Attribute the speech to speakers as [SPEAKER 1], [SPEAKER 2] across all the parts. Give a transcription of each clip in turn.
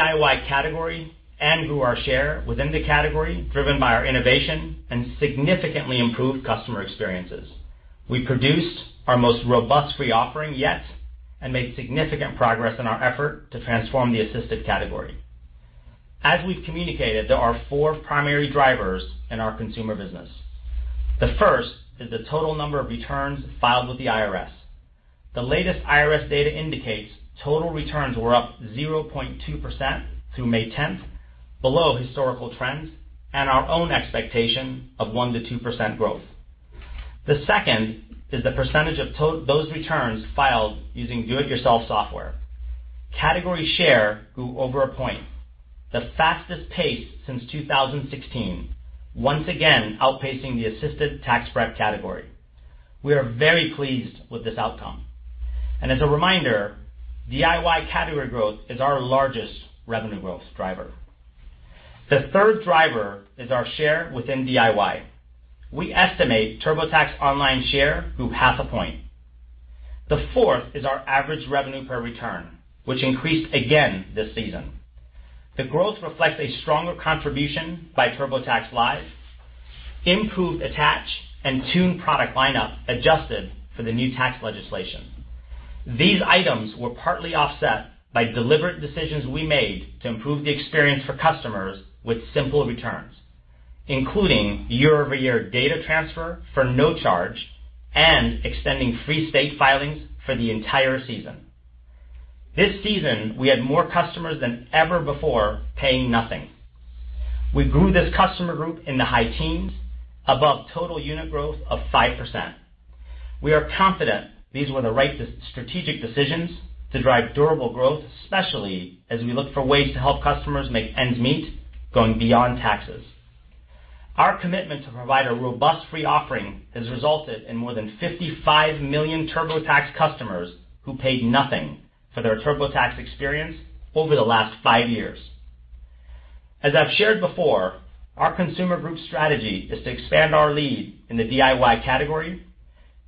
[SPEAKER 1] DIY category and grew our share within the category, driven by our innovation and significantly improved customer experiences. We produced our most robust free offering yet, and made significant progress in our effort to transform the assisted category. As we've communicated, there are four primary drivers in our consumer business. The first is the total number of returns filed with the IRS. The latest IRS data indicates total returns were up 0.2% through May 10th, below historical trends and our own expectation of 1%-2% growth. The second is the percentage of those returns filed using do-it-yourself software. Category share grew over a point, the fastest pace since 2016, once again outpacing the assisted tax prep category. We are very pleased with this outcome. As a reminder, DIY category growth is our largest revenue growth driver. The third driver is our share within DIY. We estimate TurboTax Online share grew half a point. The fourth is our average revenue per return, which increased again this season. The growth reflects a stronger contribution by TurboTax Live, improved attach and tune product lineup adjusted for the new tax legislation. These items were partly offset by deliberate decisions we made to improve the experience for customers with simple returns, including year-over-year data transfer for no charge, and extending free state filings for the entire season. This season, we had more customers than ever before paying nothing. We grew this customer group in the high teens, above total unit growth of 5%. We are confident these were the right strategic decisions to drive durable growth, especially as we look for ways to help customers make ends meet, going beyond taxes. Our commitment to provide a robust free offering has resulted in more than 55 million TurboTax customers who paid nothing for their TurboTax experience over the last five years. As I've shared before, our consumer group strategy is to expand our lead in the DIY category,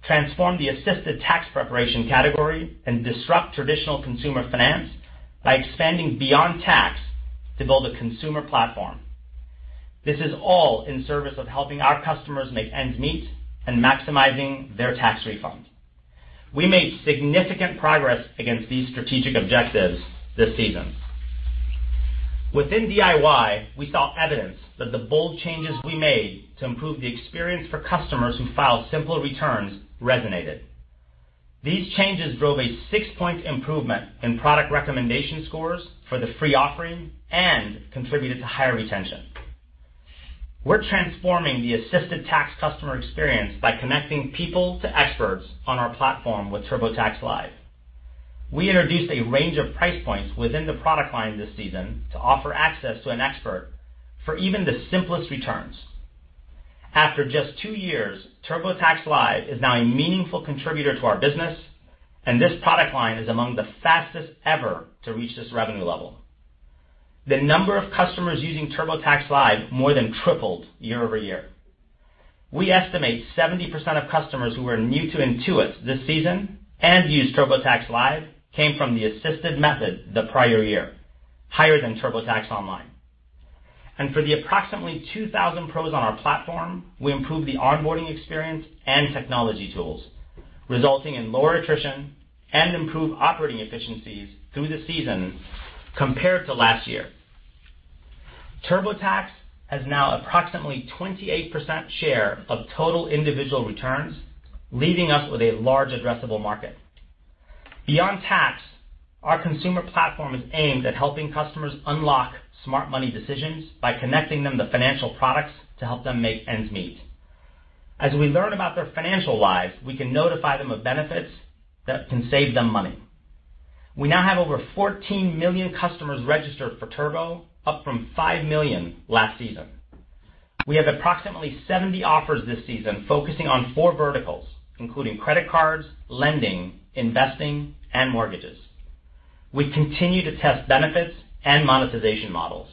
[SPEAKER 1] transform the assisted tax preparation category, and disrupt traditional consumer finance by expanding beyond tax to build a consumer platform. This is all in service of helping our customers make ends meet and maximizing their tax refund. We made significant progress against these strategic objectives this season. Within DIY, we saw evidence that the bold changes we made to improve the experience for customers who file simple returns resonated. These changes drove a six-point improvement in product recommendation scores for the free offering and contributed to higher retention. We're transforming the assisted tax customer experience by connecting people to experts on our platform with TurboTax Live. We introduced a range of price points within the product line this season to offer access to an expert for even the simplest returns. After just two years, TurboTax Live is now a meaningful contributor to our business, and this product line is among the fastest ever to reach this revenue level. The number of customers using TurboTax Live more than tripled year-over-year. We estimate 70% of customers who are new to Intuit this season and used TurboTax Live came from the assisted method the prior year, higher than TurboTax Online. For the approximately 2,000 pros on our platform, we improved the onboarding experience and technology tools, resulting in lower attrition and improved operating efficiencies through the season compared to last year. TurboTax has now approximately 28% share of total individual returns, leaving us with a large addressable market. Beyond tax, our consumer platform is aimed at helping customers unlock smart money decisions by connecting them to financial products to help them make ends meet. As we learn about their financial lives, we can notify them of benefits that can save them money. We now have over 14 million customers registered for Turbo, up from five million last season. We have approximately 70 offers this season focusing on four verticals, including credit cards, lending, investing, and mortgages. We continue to test benefits and monetization models.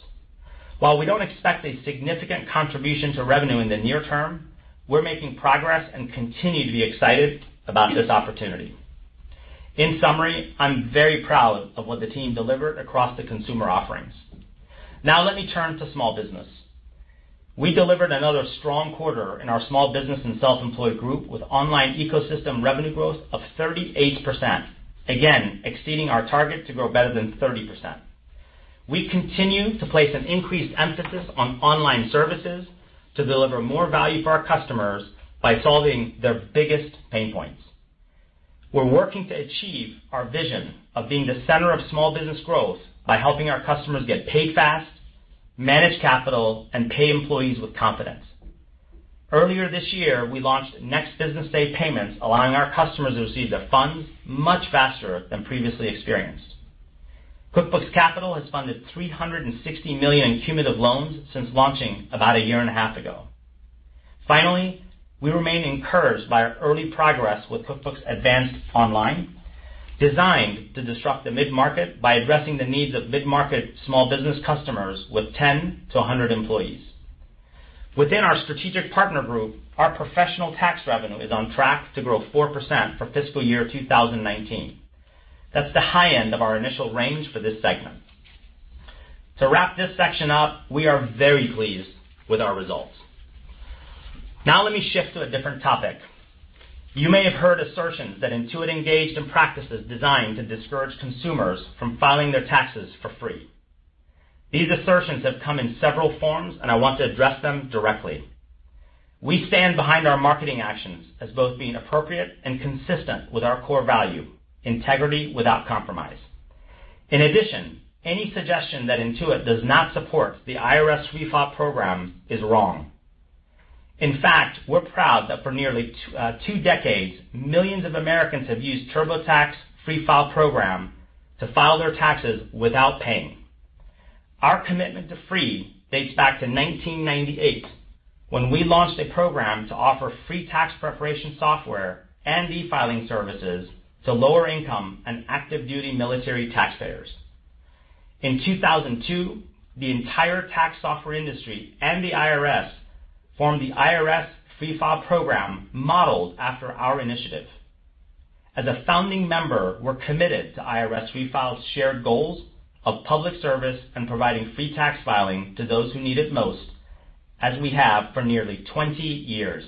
[SPEAKER 1] While we don't expect a significant contribution to revenue in the near term, we're making progress and continue to be excited about this opportunity. In summary, I'm very proud of what the team delivered across the consumer offerings. Now let me turn to small business. We delivered another strong quarter in our Small Business and Self-Employed Group with online ecosystem revenue growth of 38%, again, exceeding our target to grow better than 30%. We continue to place an increased emphasis on online services to deliver more value for our customers by solving their biggest pain points. We're working to achieve our vision of being the center of small business growth by helping our customers get paid fast, manage capital, and pay employees with confidence. Earlier this year, we launched Next Business Day Payments, allowing our customers to receive their funds much faster than previously experienced. QuickBooks Capital has funded $360 million cumulative loans since launching about a year and a half ago. Finally, we remain encouraged by our early progress with QuickBooks Online Advanced, designed to disrupt the mid-market by addressing the needs of mid-market small business customers with 10 to 100 employees. Within our Strategic Partner Group, our professional tax revenue is on track to grow 4% for fiscal year 2019. That's the high end of our initial range for this segment. To wrap this section up, we are very pleased with our results. Now let me shift to a different topic. You may have heard assertions that Intuit engaged in practices designed to discourage consumers from filing their taxes for free. These assertions have come in several forms, and I want to address them directly. We stand behind our marketing actions as both being appropriate and consistent with our core value, integrity without compromise. In addition, any suggestion that Intuit does not support the IRS Free File program is wrong. In fact, we're proud that for nearly two decades, millions of Americans have used TurboTax Free File program to file their taxes without paying. Our commitment to free dates back to 1998, when we launched a program to offer free tax preparation software and e-filing services to lower income and active duty military taxpayers. In 2002, the entire tax software industry and the IRS formed the IRS Free File program, modeled after our initiative. As a founding member, we're committed to IRS Free File's shared goals of public service and providing free tax filing to those who need it most, as we have for nearly 20 years.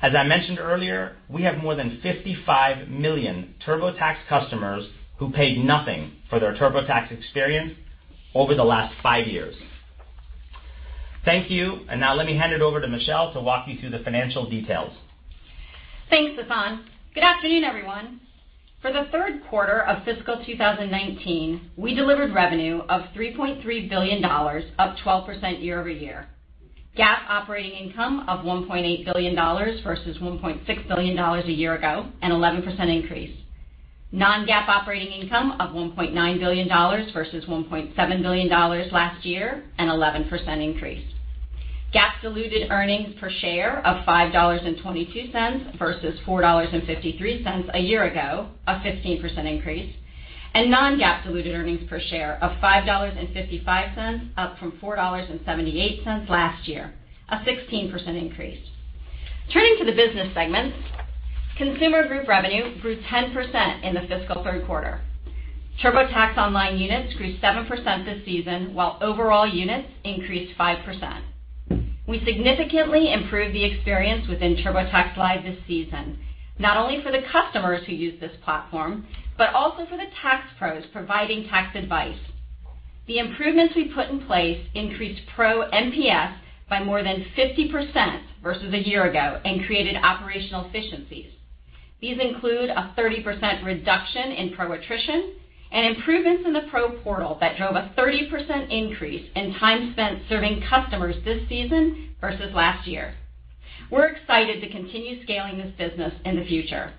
[SPEAKER 1] As I mentioned earlier, we have more than 55 million TurboTax customers who paid nothing for their TurboTax experience over the last five years. Thank you. Now let me hand it over to Michelle to walk you through the financial details.
[SPEAKER 2] Thanks, Sasan. Good afternoon, everyone. For the third quarter of FY 2019, we delivered revenue of $3.3 billion, up 12% year-over-year. GAAP operating income of $1.8 billion versus $1.6 billion a year ago, an 11% increase. Non-GAAP operating income of $1.9 billion versus $1.7 billion last year, an 11% increase. GAAP diluted earnings per share of $5.22 versus $4.53 a year ago, a 15% increase. Non-GAAP diluted earnings per share of $5.55, up from $4.78 last year, a 16% increase. Turning to the business segments, Consumer Group revenue grew 10% in the fiscal third quarter. TurboTax Online units grew 7% this season, while overall units increased 5%. We significantly improved the experience within TurboTax Live this season, not only for the customers who use this platform, but also for the tax pros providing tax advice. The improvements we put in place increased pro NPS by more than 50% versus a year ago and created operational efficiencies. These include a 30% reduction in pro attrition and improvements in the pro portal that drove a 30% increase in time spent serving customers this season versus last year. We're excited to continue scaling this business in the future.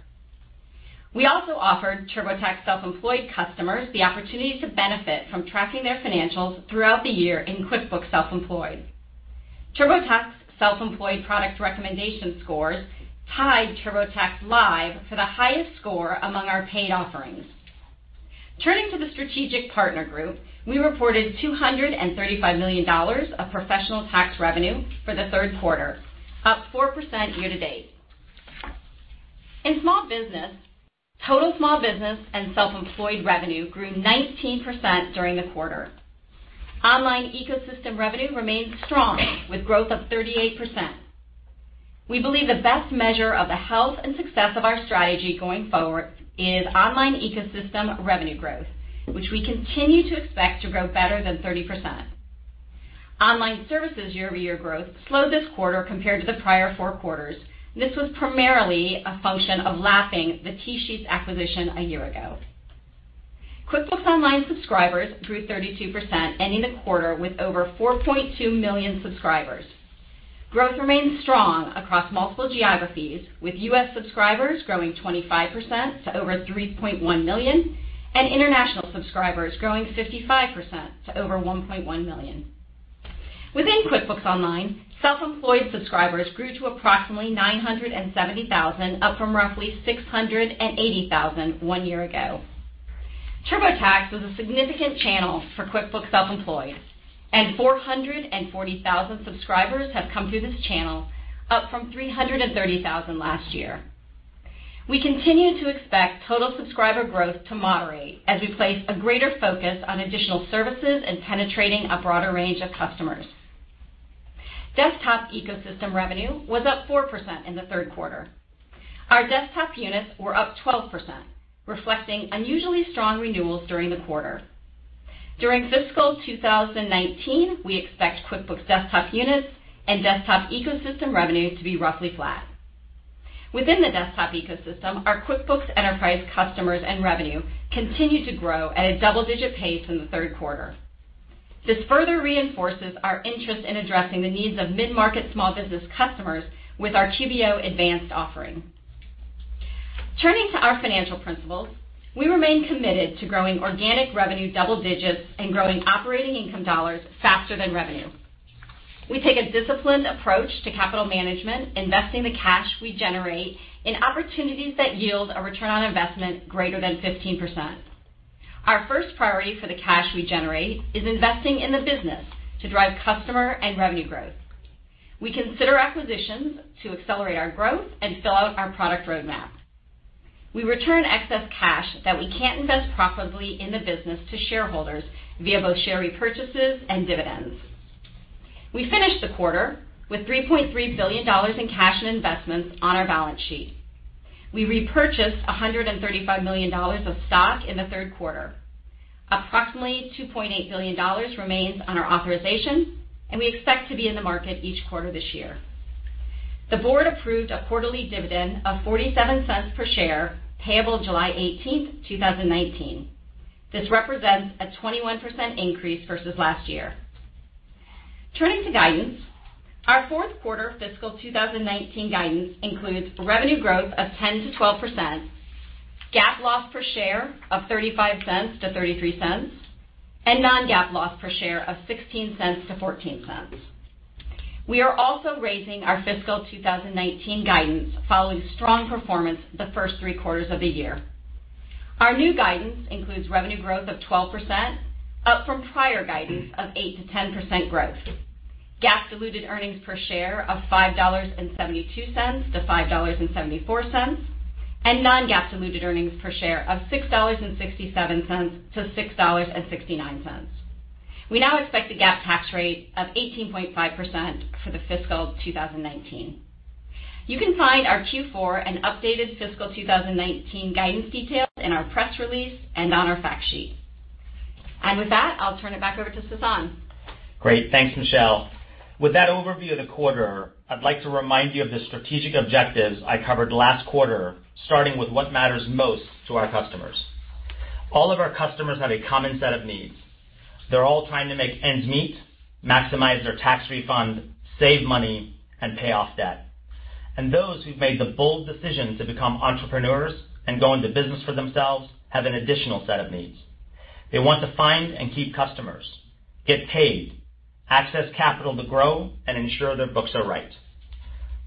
[SPEAKER 2] We also offered TurboTax Self-Employed customers the opportunity to benefit from tracking their financials throughout the year in QuickBooks Self-Employed. TurboTax Self-Employed product recommendation scores tied TurboTax Live to the highest score among our paid offerings. Turning to the Strategic Partner Group, we reported $235 million of professional tax revenue for the third quarter, up 4% year to date. In Small Business, total Small Business and self-employed revenue grew 19% during the quarter. Online Ecosystem revenue remains strong with growth of 38%. We believe the best measure of the health and success of our strategy going forward is Online Ecosystem revenue growth, which we continue to expect to grow better than 30%. Online Services year-over-year growth slowed this quarter compared to the prior four quarters. This was primarily a function of lapping the TSheets acquisition a year ago. QuickBooks Online subscribers grew 32%, ending the quarter with over 4.2 million subscribers. Growth remains strong across multiple geographies, with U.S. subscribers growing 25% to over 3.1 million and international subscribers growing 55% to over 1.1 million. Within QuickBooks Online, self-employed subscribers grew to approximately 970,000, up from roughly 680,000 one year ago. TurboTax was a significant channel for QuickBooks Self-Employed, and 440,000 subscribers have come through this channel, up from 330,000 last year. We continue to expect total subscriber growth to moderate as we place a greater focus on additional services and penetrating a broader range of customers. Desktop Ecosystem revenue was up 4% in the third quarter. Our desktop units were up 12%, reflecting unusually strong renewals during the quarter. During FY 2019, we expect QuickBooks Desktop units and Desktop Ecosystem revenue to be roughly flat. Within the Desktop Ecosystem, our QuickBooks Enterprise customers and revenue continued to grow at a double-digit pace in the third quarter. This further reinforces our interest in addressing the needs of mid-market Small Business customers with our QBO Advanced offering. Turning to our financial principles, we remain committed to growing organic revenue double digits and growing operating income dollars faster than revenue. We take a disciplined approach to capital management, investing the cash we generate in opportunities that yield a return on investment greater than 15%. Our first priority for the cash we generate is investing in the business to drive customer and revenue growth. We consider acquisitions to accelerate our growth and fill out our product roadmap. We return excess cash that we can't invest profitably in the business to shareholders via both share repurchases and dividends. We finished the quarter with $3.3 billion in cash and investments on our balance sheet. We repurchased $135 million of stock in the third quarter. Approximately $2.8 billion remains on our authorization, and we expect to be in the market each quarter this year. The board approved a quarterly dividend of $0.47 per share, payable July 18th, 2019. This represents a 21% increase versus last year. Turning to guidance, our fourth quarter fiscal 2019 guidance includes revenue growth of 10%-12%, GAAP loss per share of $0.35-$0.33, and non-GAAP loss per share of $0.16-$0.14. We are also raising our fiscal 2019 guidance following strong performance the first three quarters of the year. Our new guidance includes revenue growth of 12%, up from prior guidance of 8%-10% growth, GAAP diluted earnings per share of $5.72-$5.74, and non-GAAP diluted earnings per share of $6.67-$6.69. We now expect a GAAP tax rate of 18.5% for the fiscal 2019. You can find our Q4 and updated fiscal 2019 guidance details in our press release and on our fact sheet. With that, I'll turn it back over to Sasan.
[SPEAKER 1] Great. Thanks, Michelle. With that overview of the quarter, I'd like to remind you of the strategic objectives I covered last quarter, starting with what matters most to our customers. All of our customers have a common set of needs. They're all trying to make ends meet, maximize their tax refund, save money, and pay off debt. Those who've made the bold decision to become entrepreneurs and go into business for themselves have an additional set of needs. They want to find and keep customers, get paid, access capital to grow, and ensure their books are right.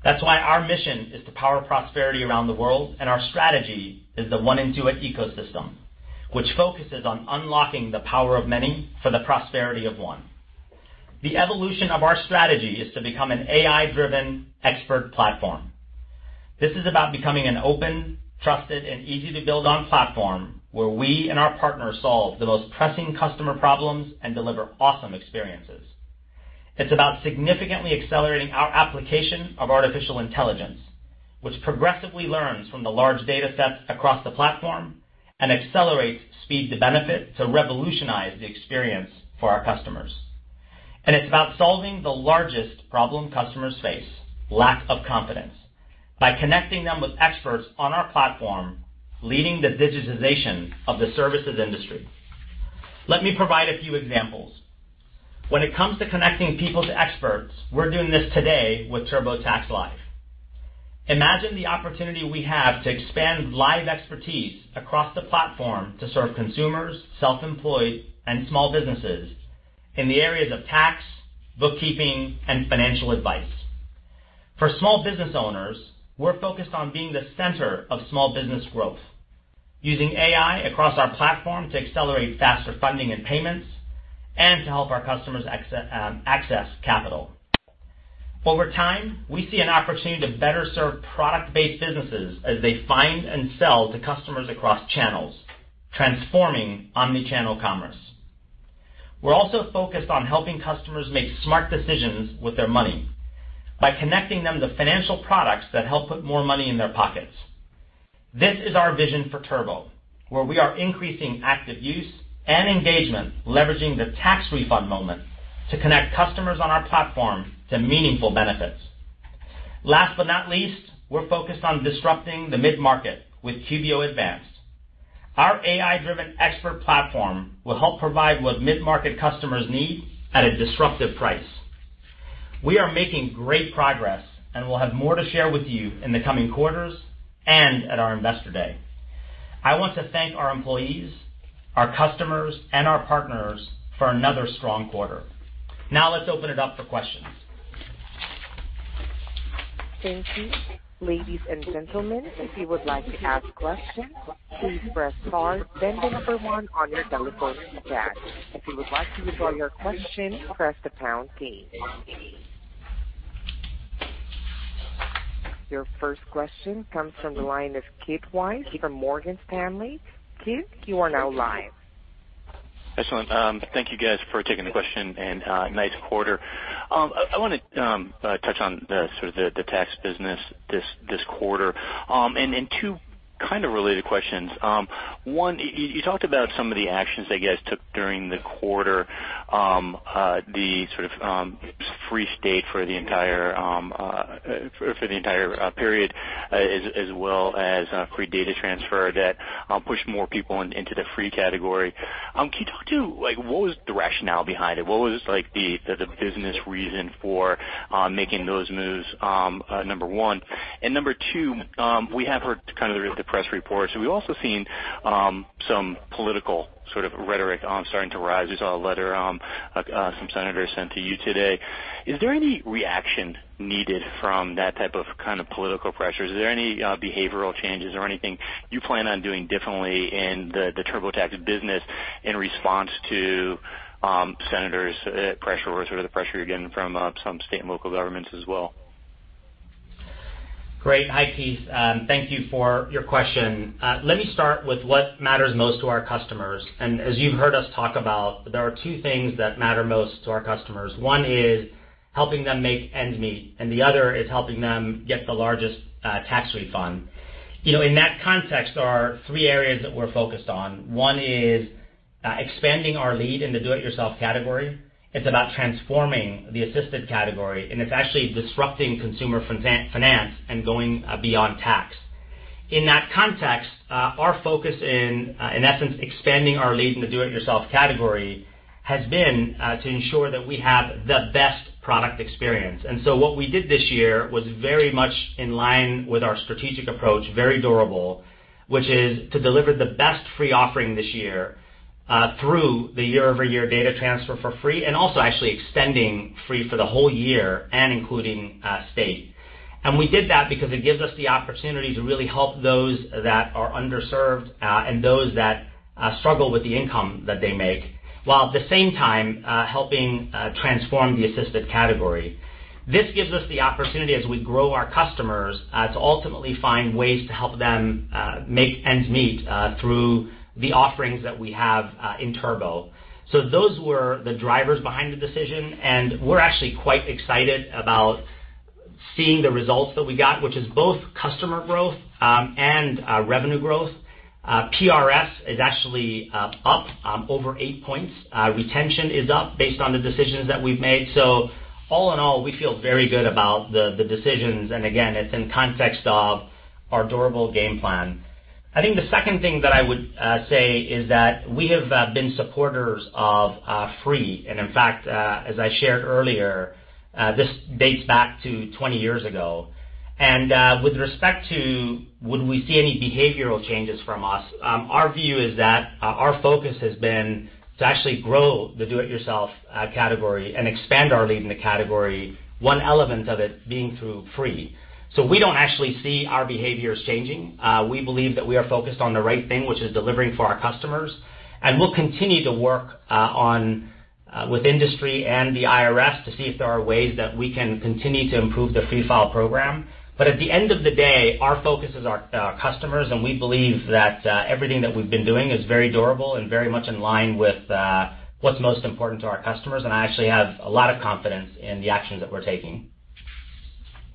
[SPEAKER 1] That's why our mission is to power prosperity around the world, and our strategy is the One Intuit ecosystem, which focuses on unlocking the power of many for the prosperity of one. The evolution of our strategy is to become an AI-driven expert platform. This is about becoming an open, trusted, and easy-to-build-on platform where we and our partners solve the most pressing customer problems and deliver awesome experiences. It's about significantly accelerating our application of artificial intelligence, which progressively learns from the large data sets across the platform and accelerates speed to benefit to revolutionize the experience for our customers. It's about solving the largest problem customers face, lack of confidence, by connecting them with experts on our platform, leading the digitization of the services industry. Let me provide a few examples. When it comes to connecting people to experts, we're doing this today with TurboTax Live. Imagine the opportunity we have to expand live expertise across the platform to serve consumers, self-employed, and small businesses in the areas of tax, bookkeeping, and financial advice. For small business owners, we're focused on being the center of small business growth, using AI across our platform to accelerate faster funding and payments and to help our customers access capital. Over time, we see an opportunity to better serve product-based businesses as they find and sell to customers across channels, transforming omni-channel commerce. We're also focused on helping customers make smart decisions with their money by connecting them to financial products that help put more money in their pockets. This is our vision for Turbo, where we are increasing active use and engagement, leveraging the tax refund moment to connect customers on our platform to meaningful benefits. Last but not least, we're focused on disrupting the mid-market with QuickBooks Online Advanced. Our AI-driven expert platform will help provide what mid-market customers need at a disruptive price. We are making great progress and will have more to share with you in the coming quarters and at our investor day. I want to thank our employees, our customers, and our partners for another strong quarter. Now let's open it up for questions.
[SPEAKER 3] Thank you. Ladies and gentlemen, if you would like to ask questions, please press star, then the number one on your telephone keypad. If you would like to withdraw your question, press the pound key. Your first question comes from the line of Keith Weiss from Morgan Stanley. Keith, you are now live.
[SPEAKER 4] Excellent. Thank you guys for taking the question, nice quarter. I want to touch on the tax business this quarter, two kind of related questions. One, you talked about some of the actions that you guys took during the quarter, the sort of free state for the entire period, as well as free data transfer that pushed more people into the free category. Can you talk to what was the rationale behind it? What was the business reason for making those moves, number one? Number two, we have heard kind of the press reports, and we've also seen some political sort of rhetoric starting to rise. We saw a letter some senators sent to you today. Is there any reaction needed from that type of kind of political pressure? Is there any behavioral changes or anything you plan on doing differently in the TurboTax business in response to senators pressure or sort of the pressure you are getting from some state and local governments as well?
[SPEAKER 1] Great. Hi, Keith. Thank you for your question. Let me start with what matters most to our customers. As you have heard us talk about, there are two things that matter most to our customers. One is helping them make ends meet, and the other is helping them get the largest tax refund. In that context, there are three areas that we are focused on. One is expanding our lead in the do-it-yourself category. It is about transforming the assisted category, and it is actually disrupting consumer finance and going beyond tax. In that context, our focus in essence, expanding our lead in the do-it-yourself category, has been to ensure that we have the best product experience. What we did this year was very much in line with our strategic approach, very durable, which is to deliver the best free offering this year, through the year-over-year data transfer for free, and also actually extending free for the whole year and including state. We did that because it gives us the opportunity to really help those that are underserved, and those that struggle with the income that they make, while at the same time, helping transform the assisted category. This gives us the opportunity as we grow our customers, to ultimately find ways to help them, make ends meet through the offerings that we have in Turbo. Those were the drivers behind the decision, and we are actually quite excited about seeing the results that we got, which is both customer growth and revenue growth. PRS is actually up over 8 points. Retention is up based on the decisions that we have made. All in all, we feel very good about the decisions. Again, it is in context of our durable game plan. I think the second thing that I would say is that we have been supporters of free. In fact, as I shared earlier, this dates back to 20 years ago. With respect to would we see any behavioral changes from us, our view is that our focus has been to actually grow the do-it-yourself category and expand our lead in the category, one element of it being through free. We do not actually see our behaviors changing. We believe that we are focused on the right thing, which is delivering for our customers. We'll continue to work with industry and the IRS to see if there are ways that we can continue to improve the Free File Program. But at the end of the day, our focus is our customers, and we believe that everything that we've been doing is very durable and very much in line with what's most important to our customers. I actually have a lot of confidence in the actions that we're taking.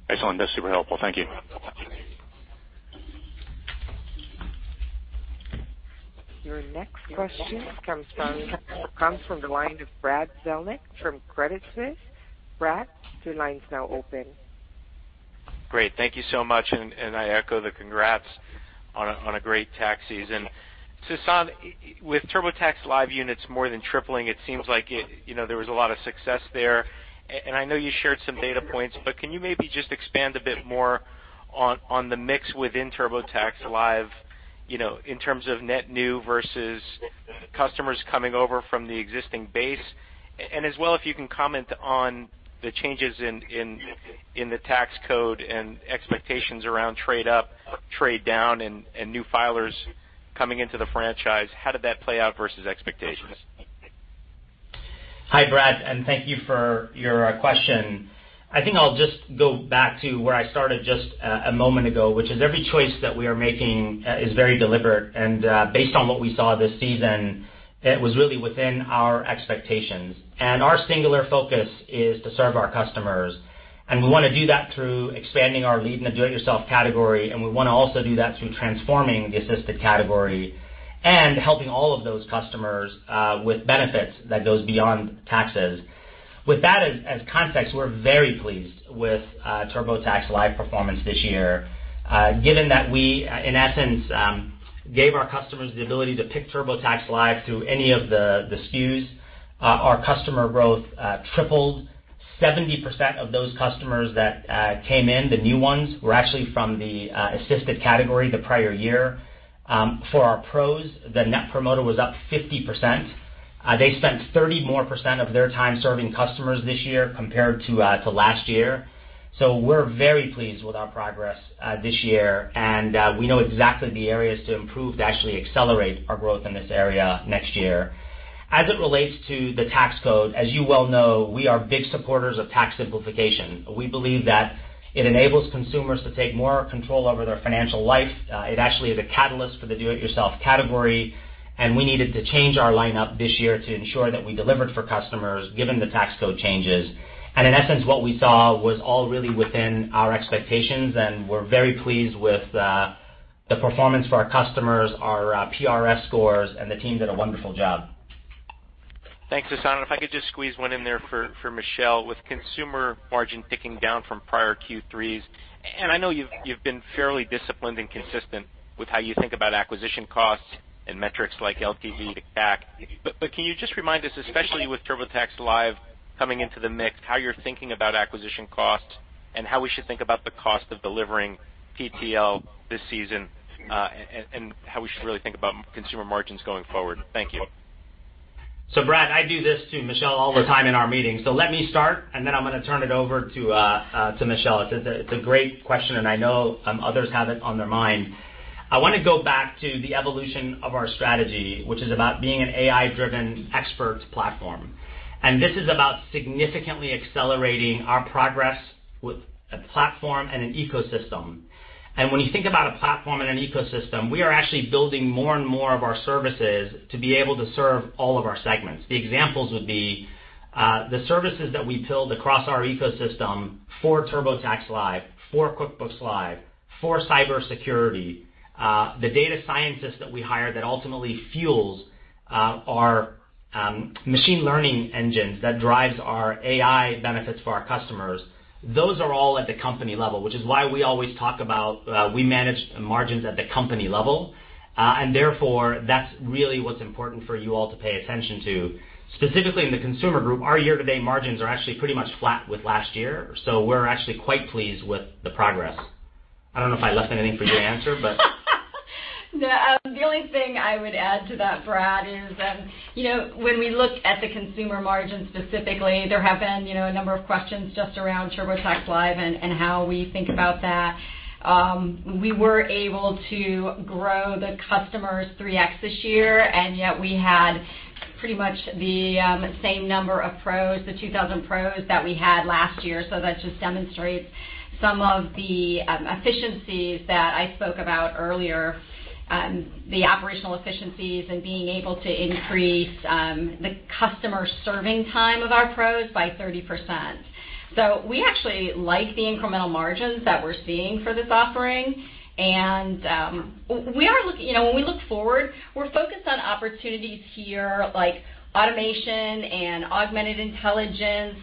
[SPEAKER 4] Excellent. That's super helpful. Thank you.
[SPEAKER 3] Your next question comes from the line of Brad Zelnick from Credit Suisse. Brad, your line's now open.
[SPEAKER 5] Great. Thank you so much, I echo the congrats on a great tax season. Sasan, with TurboTax Live units more than tripling, it seems like there was a lot of success there. I know you shared some data points, but can you maybe just expand a bit more on the mix within TurboTax Live, in terms of net new versus customers coming over from the existing base? As well, if you can comment on the changes in the tax code and expectations around trade up, trade down, and new filers coming into the franchise. How did that play out versus expectations?
[SPEAKER 1] Hi, Brad, thank you for your question. I think I'll just go back to where I started just a moment ago, which is every choice that we are making is very deliberate. Based on what we saw this season, it was really within our expectations. Our singular focus is to serve our customers. We want to do that through expanding our lead in the do-it-yourself category, and we want to also do that through transforming the assisted category and helping all of those customers with benefits that goes beyond taxes. With that as context, we're very pleased with TurboTax Live performance this year. Given that we, in essence, gave our customers the ability to pick TurboTax Live through any of the SKUs, our customer growth tripled. 70% of those customers that came in, the new ones, were actually from the assisted category the prior year. For our pros, the net promoter was up 50%. They spent 30% more of their time serving customers this year compared to last year. We're very pleased with our progress this year, we know exactly the areas to improve to actually accelerate our growth in this area next year. As it relates to the tax code, as you well know, we are big supporters of tax simplification. We believe that it enables consumers to take more control over their financial life. It actually is a catalyst for the do-it-yourself category. We needed to change our lineup this year to ensure that we delivered for customers, given the tax code changes. In essence, what we saw was all really within our expectations, we're very pleased with the performance for our customers, our PRS scores, the team did a wonderful job.
[SPEAKER 5] Thanks, Sasan. If I could just squeeze one in there for Michelle. With consumer margin ticking down from prior Q3s, I know you've been fairly disciplined and consistent with how you think about acquisition costs and metrics like LTV to CAC. Can you just remind us, especially with TurboTax Live coming into the mix, how you're thinking about acquisition costs and how we should think about the cost of delivering TTL this season, and how we should really think about consumer margins going forward? Thank you.
[SPEAKER 1] Brad, I do this to Michelle all the time in our meetings. Let me start, then I'm going to turn it over to Michelle. It's a great question, I know others have it on their mind. I want to go back to the evolution of our strategy, which is about being an AI-driven experts platform. This is about significantly accelerating our progress with a platform and an ecosystem. When you think about a platform and an ecosystem, we are actually building more and more of our services to be able to serve all of our segments. The examples would be the services that we build across our ecosystem for TurboTax Live, for QuickBooks Live, for cybersecurity, the data scientists that we hire that ultimately fuels our machine learning engines that drives our AI benefits for our customers. Those are all at the company level, which is why we always talk about we manage margins at the company level. Therefore, that's really what's important for you all to pay attention to. Specifically in the consumer group, our year-to-date margins are actually pretty much flat with last year. We're actually quite pleased with the progress. I don't know if I left anything for you to answer.
[SPEAKER 2] No. The only thing I would add to that, Brad, is that when we look at the consumer margin specifically, there have been a number of questions just around TurboTax Live and how we think about that. We were able to grow the customers 3x this year, and yet we had pretty much the same number of pros, the 2,000 pros that we had last year. That just demonstrates some of the efficiencies that I spoke about earlier, the operational efficiencies and being able to increase the customer serving time of our pros by 30%. We actually like the incremental margins that we're seeing for this offering. When we look forward, we're focused on opportunities here like automation and augmented intelligence,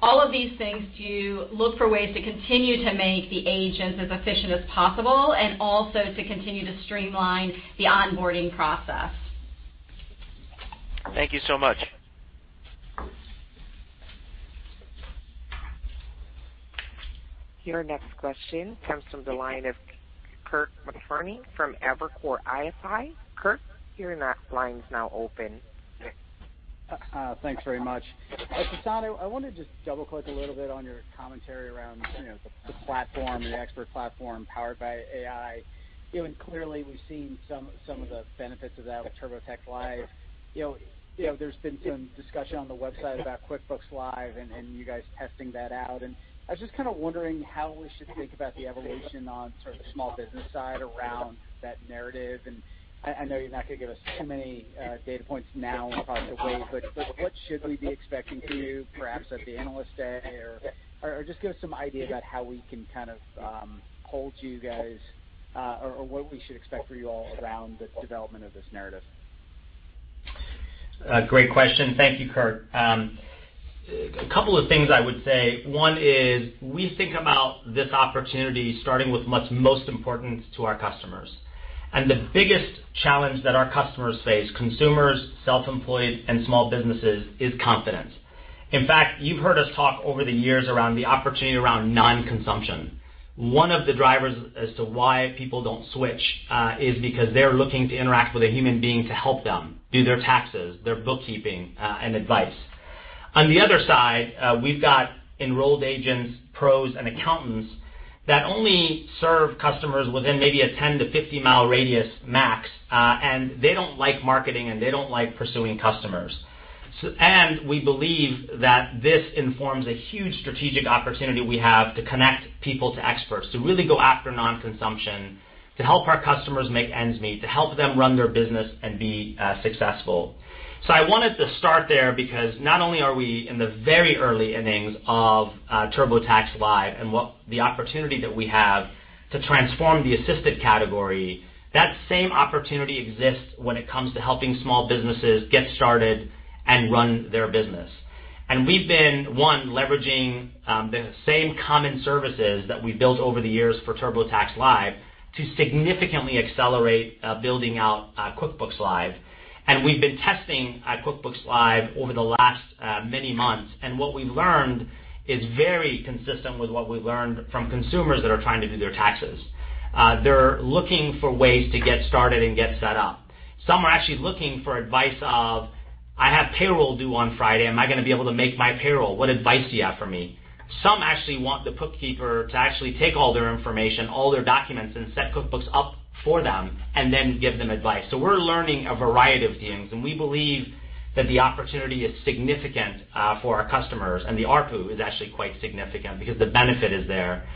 [SPEAKER 2] all of these things to look for ways to continue to make the agents as efficient as possible and also to continue to streamline the onboarding process.
[SPEAKER 1] Thank you so much.
[SPEAKER 3] Your next question comes from the line of Kirk Materne from Evercore ISI. Kirk, your line's now open.
[SPEAKER 6] Thanks very much. Sasan, I want to just double-click a little bit on your commentary around the platform, the expert platform powered by AI. Clearly we've seen some of the benefits of that with TurboTax Live. There's been some discussion on the website about QuickBooks Live and you guys testing that out, I was just kind of wondering how we should think about the evolution on sort of the small business side around that narrative. I know you're not going to give us too many data points now possibly, but what should we be expecting to perhaps at the Analyst Day or just give us some idea about how we can kind of hold you guys or what we should expect for you all around the development of this narrative?
[SPEAKER 1] Great question. Thank you, Kirk. A couple of things I would say. One is we think about this opportunity starting with what's most important to our customers. The biggest challenge that our customers face, consumers, self-employed, and small businesses, is confidence. In fact, you've heard us talk over the years around the opportunity around non-consumption. One of the drivers as to why people don't switch is because they're looking to interact with a human being to help them do their taxes, their bookkeeping, and advice. On the other side, we've got enrolled agents, pros, and accountants that only serve customers within maybe a 10-50-mile radius max, and they don't like marketing, and they don't like pursuing customers. We believe that this informs a huge strategic opportunity we have to connect people to experts, to really go after non-consumption, to help our customers make ends meet, to help them run their business and be successful. I wanted to start there because not only are we in the very early innings of TurboTax Live and what the opportunity that we have to transform the assisted category, that same opportunity exists when it comes to helping small businesses get started and run their business. We've been, one, leveraging the same common services that we built over the years for TurboTax Live to significantly accelerate building out QuickBooks Live. We've been testing QuickBooks Live over the last many months, and what we've learned is very consistent with what we've learned from consumers that are trying to do their taxes. They're looking for ways to get started and get set up. Some are actually looking for advice of, "I have payroll due on Friday. Am I going to be able to make my payroll? What advice do you have for me?" Some actually want the bookkeeper to actually take all their information, all their documents, and set QuickBooks up for them, and then give them advice. We're learning a variety of things, and we believe that the opportunity is significant for our customers, and the ARPU is actually quite significant because the benefit is there.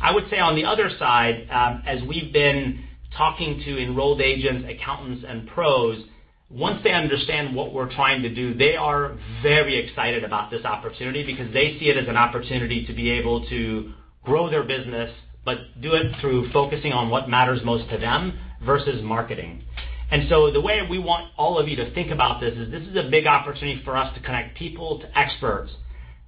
[SPEAKER 1] I would say on the other side, as we've been talking to enrolled agents, accountants, and pros, once they understand what we're trying to do, they are very excited about this opportunity because they see it as an opportunity to be able to grow their business but do it through focusing on what matters most to them versus marketing. The way we want all of you to think about this is this is a big opportunity for us to connect people to experts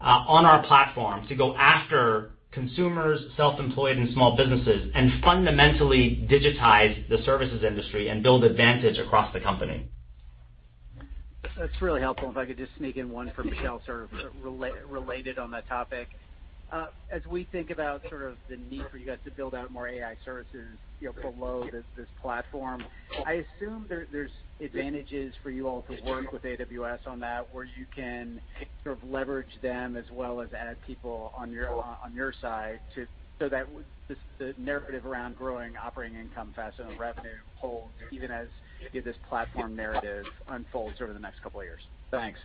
[SPEAKER 1] on our platform, to go after consumers, self-employed, and small businesses and fundamentally digitize the services industry and build advantage across the company.
[SPEAKER 6] That's really helpful. If I could just sneak in one for Michelle sort of related on that topic. As we think about sort of the need for you guys to build out more AI services below this platform, I assume there's advantages for you all to work with AWS on that, where you can sort of leverage them as well as add people on your side so that the narrative around growing operating income faster than revenue holds, even as this platform narrative unfolds over the next couple of years. Thanks.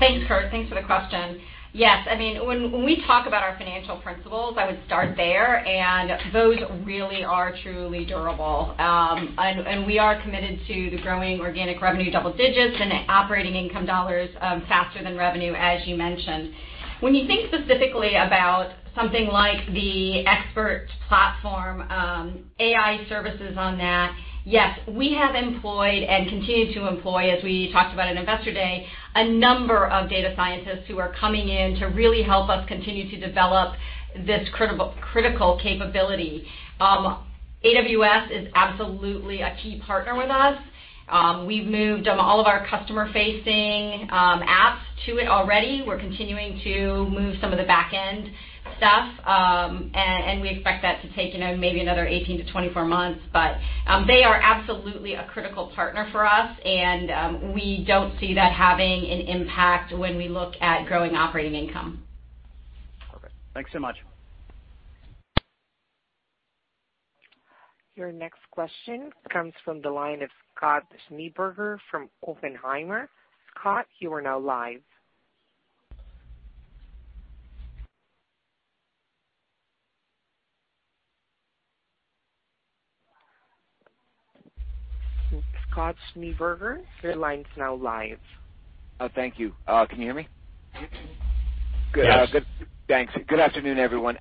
[SPEAKER 2] Thanks, Kirk. Thanks for the question. Yes, when we talk about our financial principles, I would start there, and those really are truly durable. We are committed to the growing organic revenue double digits and operating income dollars faster than revenue, as you mentioned. When you think specifically about something like the expert platform, AI services on that, yes. We have employed and continue to employ, as we talked about at Investor Day, a number of data scientists who are coming in to really help us continue to develop this critical capability. AWS is absolutely a key partner with us. We've moved all of our customer-facing apps to it already. We're continuing to move some of the back end stuff. We expect that to take maybe another 18-24 months. They are absolutely a critical partner for us, and we don't see that having an impact when we look at growing operating income.
[SPEAKER 6] Perfect. Thanks so much.
[SPEAKER 3] Your next question comes from the line of Scott Schneeberger from Oppenheimer. Scott, you are now live. Scott Schneeberger, your line's now live.
[SPEAKER 7] Thank you. Can you hear me?
[SPEAKER 3] Yes.
[SPEAKER 7] Good. Thanks. Good afternoon, everyone.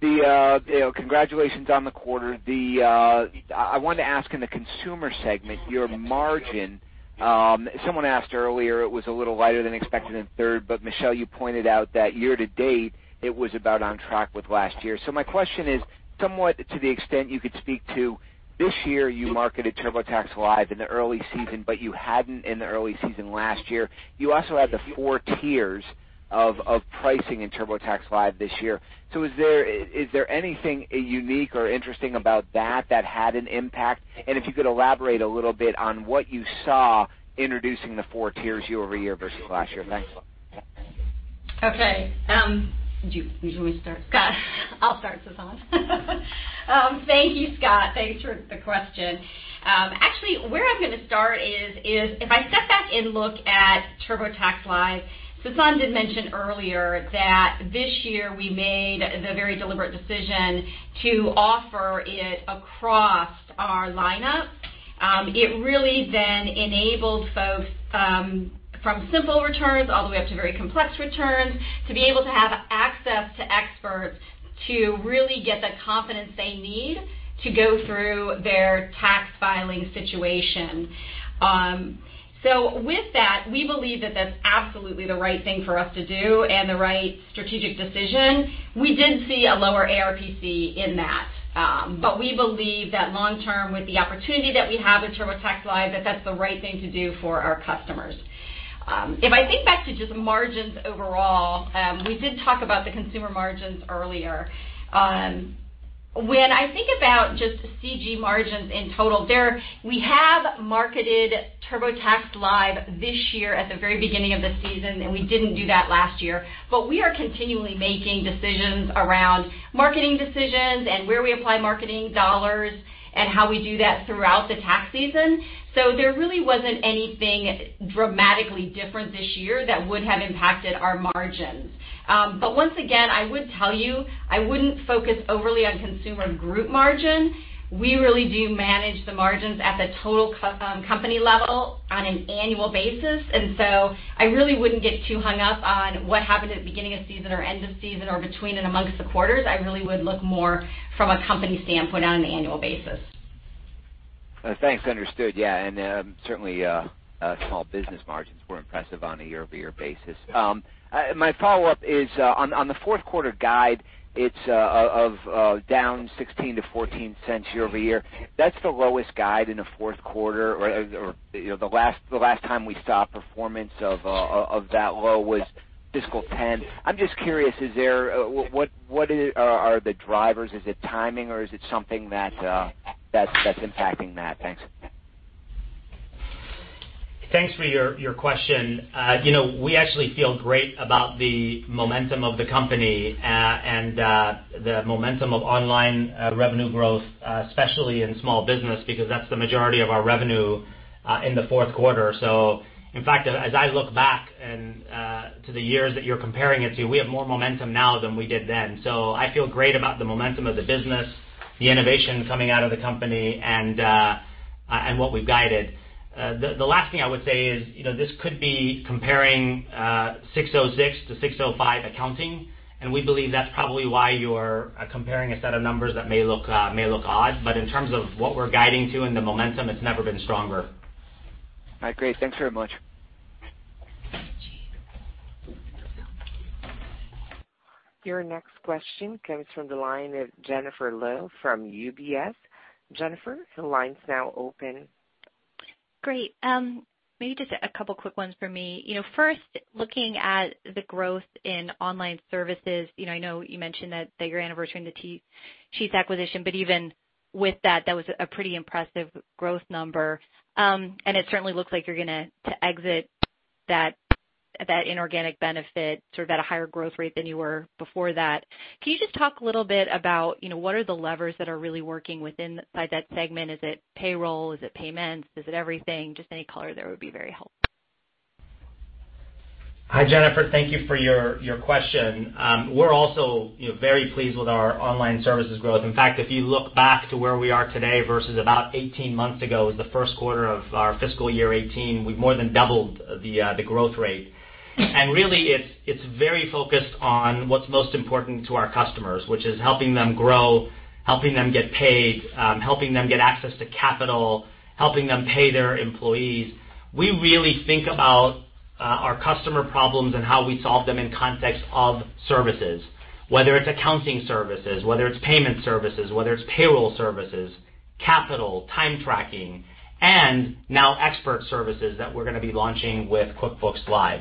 [SPEAKER 7] Congratulations on the quarter. I wanted to ask, in the consumer segment, your margin, someone asked earlier, it was a little lighter than expected in the third, but Michelle Clatterbuck, you pointed out that year-to-date, it was about on track with last year. My question is somewhat to the extent you could speak to this year, you marketed TurboTax Live in the early season, but you hadn't in the early season last year. You also had the 4 tiers of pricing in TurboTax Live this year. Is there anything unique or interesting about that that had an impact? If you could elaborate a little bit on what you saw introducing the 4 tiers year-over-year versus last year. Thanks.
[SPEAKER 2] Okay. Do you want me to start, Scott Schneeberger? I'll start, Sasan Goodarzi. Thank you, Scott Schneeberger. Thanks for the question. Actually, where I'm going to start is if I step back and look at TurboTax Live, Sasan Goodarzi did mention earlier that this year we made the very deliberate decision to offer it across our lineup. It really then enabled folks, from simple returns all the way up to very complex returns, to be able to have access to experts to really get the confidence they need to go through their tax filing situation. With that, we believe that that's absolutely the right thing for us to do and the right strategic decision. We did see a lower ARPC in that. We believe that long-term, with the opportunity that we have with TurboTax Live, that that's the right thing to do for our customers. If I think back to just margins overall, we did talk about the consumer margins earlier. When I think about just CG margins in total, we have marketed TurboTax Live this year at the very beginning of the season, and we didn't do that last year. We are continually making decisions around marketing decisions and where we apply marketing dollars and how we do that throughout the tax season. There really wasn't anything dramatically different this year that would have impacted our margins. Once again, I would tell you, I wouldn't focus overly on consumer group margin. We really do manage the margins at the total company level on an annual basis. I really wouldn't get too hung up on what happened at the beginning of season or end of season, or between and amongst the quarters. I really would look more from a company standpoint on an annual basis.
[SPEAKER 7] Thanks. Understood. Yeah. Certainly, Small Business margins were impressive on a year-over-year basis. My follow-up is on the fourth quarter guide, it's down $0.16-$0.14 year-over-year. That's the lowest guide in a fourth quarter. The last time we saw performance of that low was fiscal 2010. I'm just curious, what are the drivers? Is it timing or is it something that's impacting that? Thanks.
[SPEAKER 1] Thanks for your question. We actually feel great about the momentum of the company and the momentum of online revenue growth, especially in Small Business, because that's the majority of our revenue in the fourth quarter. In fact, as I look back to the years that you're comparing it to, we have more momentum now than we did then. I feel great about the momentum of the business, the innovation coming out of the company, and what we've guided. The last thing I would say is, this could be comparing ASC 606 to ASC 605 accounting, and we believe that's probably why you're comparing a set of numbers that may look odd. In terms of what we're guiding to and the momentum, it's never been stronger.
[SPEAKER 7] All right, great. Thanks very much.
[SPEAKER 3] Your next question comes from the line of Jennifer Lowe from UBS. Jennifer, the line's now open.
[SPEAKER 8] Great. Maybe just a couple quick ones for me. First, looking at the growth in online services, I know you mentioned that you're anniversarying the Chief acquisition, but even with that was a pretty impressive growth number. It certainly looks like you're going to exit that inorganic benefit sort of at a higher growth rate than you were before that. Can you just talk a little bit about what are the levers that are really working within that segment? Is it payroll? Is it payments? Is it everything? Just any color there would be very helpful.
[SPEAKER 1] Hi, Jennifer. Thank you for your question. We're also very pleased with our online services growth. In fact, if you look back to where we are today versus about 18 months ago, the first quarter of our fiscal year 2018, we've more than doubled the growth rate. Really, it's very focused on what's most important to our customers, which is helping them grow, helping them get paid, helping them get access to capital, helping them pay their employees. We really think about our customer problems and how we solve them in context of services, whether it's accounting services, whether it's payment services, whether it's payroll services, capital, time tracking, and now expert services that we're going to be launching with QuickBooks Live.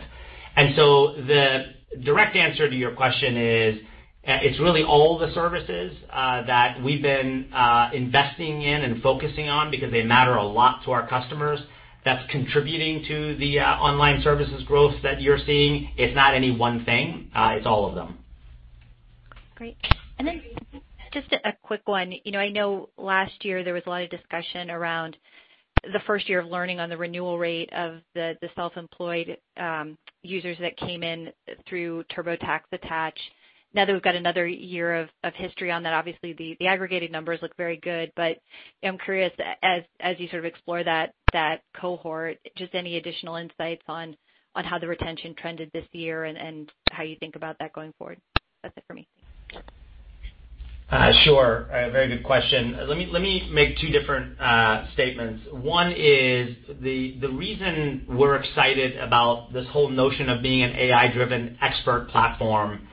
[SPEAKER 1] The direct answer to your question is, it's really all the services that we've been investing in and focusing on because they matter a lot to our customers that's contributing to the online services growth that you're seeing. It's not any one thing, it's all of them.
[SPEAKER 8] Great. Just a quick one. I know last year there was a lot of discussion around the first year of learning on the renewal rate of the self-employed users that came in through TurboTax attach. Now that we've got another year of history on that, obviously the aggregated numbers look very good, I'm curious, as you sort of explore that cohort, just any additional insights on how the retention trended this year and how you think about that going forward. That's it for me.
[SPEAKER 1] Sure. A very good question. Let me make two different statements. One is the reason we're excited about this whole notion of being an AI-driven expert platform,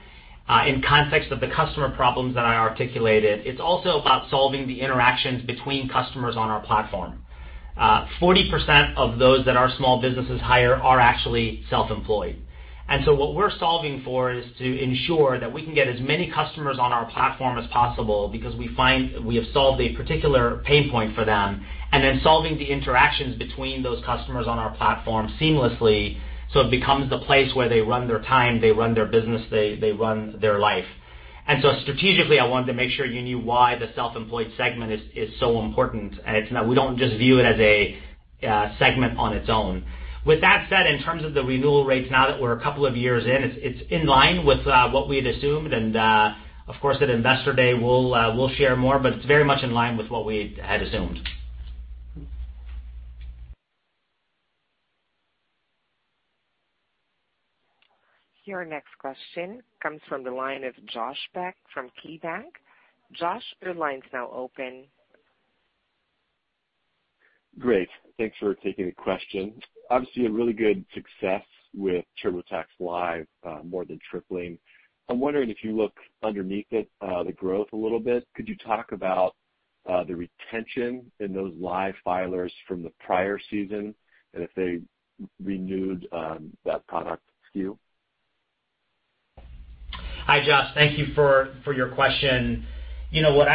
[SPEAKER 1] in context of the customer problems that I articulated, it's also about solving the interactions between customers on our platform. 40% of those that our small businesses hire are actually self-employed. What we're solving for is to ensure that we can get as many customers on our platform as possible because we have solved a particular pain point for them, and then solving the interactions between those customers on our platform seamlessly so it becomes the place where they run their time, they run their business, they run their life. Strategically, I wanted to make sure you knew why the self-employed segment is so important, and it's not we don't just view it as a segment on its own. With that said, in terms of the renewal rates, now that we're a couple of years in, it's in line with what we had assumed, and of course at Investor Day, we'll share more, but it's very much in line with what we had assumed.
[SPEAKER 3] Your next question comes from the line of Josh Beck from KeyBank. Josh, your line's now open.
[SPEAKER 9] Great. Thanks for taking the question. Obviously, a really good success with TurboTax Live more than tripling. I'm wondering if you look underneath it, the growth a little bit. Could you talk about the retention in those live filers from the prior season and if they renewed that product SKU?
[SPEAKER 1] Hi, Josh. Thank you for your question. What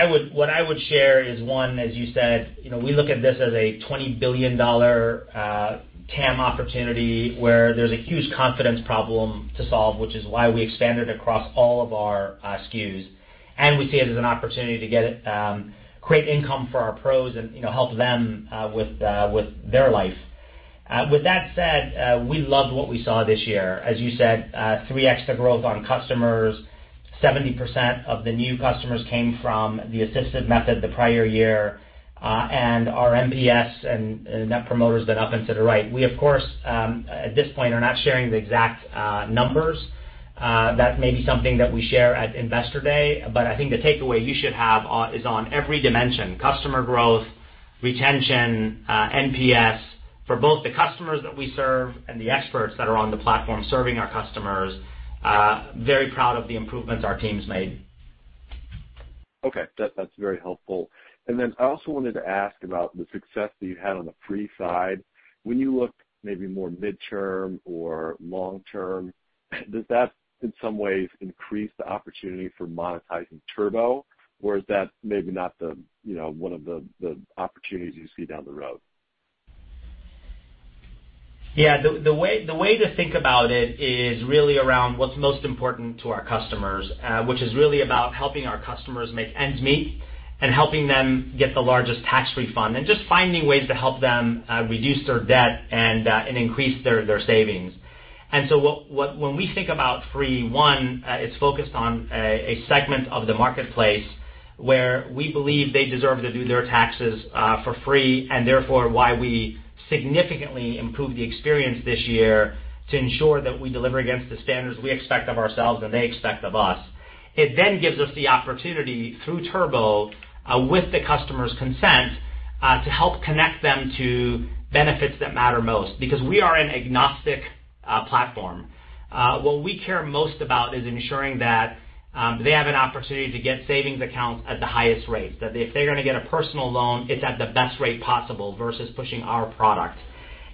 [SPEAKER 1] I would share is one, as you said, we look at this as a $20 billion TAM opportunity where there's a huge confidence problem to solve, which is why we expanded across all of our SKUs. We see it as an opportunity to create income for our pros and help them with their life. With that said, we loved what we saw this year. As you said, 3x the growth on customers, 70% of the new customers came from the assisted method the prior year. Our NPS and Net Promoter's been up and to the right. We, of course, at this point are not sharing the exact numbers. That may be something that we share at Investor Day. I think the takeaway you should have is on every dimension, customer growth, retention, NPS, for both the customers that we serve and the experts that are on the platform serving our customers, very proud of the improvements our teams made.
[SPEAKER 9] Okay. That's very helpful. I also wanted to ask about the success that you've had on the free side. When you look maybe more midterm or long-term, does that in some ways increase the opportunity for monetizing Turbo, or is that maybe not one of the opportunities you see down the road?
[SPEAKER 1] Yeah. The way to think about it is really around what's most important to our customers, which is really about helping our customers make ends meet and helping them get the largest tax refund and just finding ways to help them reduce their debt and increase their savings. When we think about free, one, it's focused on a segment of the marketplace where we believe they deserve to do their taxes for free, and therefore why we significantly improved the experience this year to ensure that we deliver against the standards we expect of ourselves and they expect of us. It then gives us the opportunity, through Turbo, with the customer's consent, to help connect them to benefits that matter most. We are an agnostic platform. What we care most about is ensuring that they have an opportunity to get savings accounts at the highest rates. That if they're going to get a personal loan, it's at the best rate possible versus pushing our product.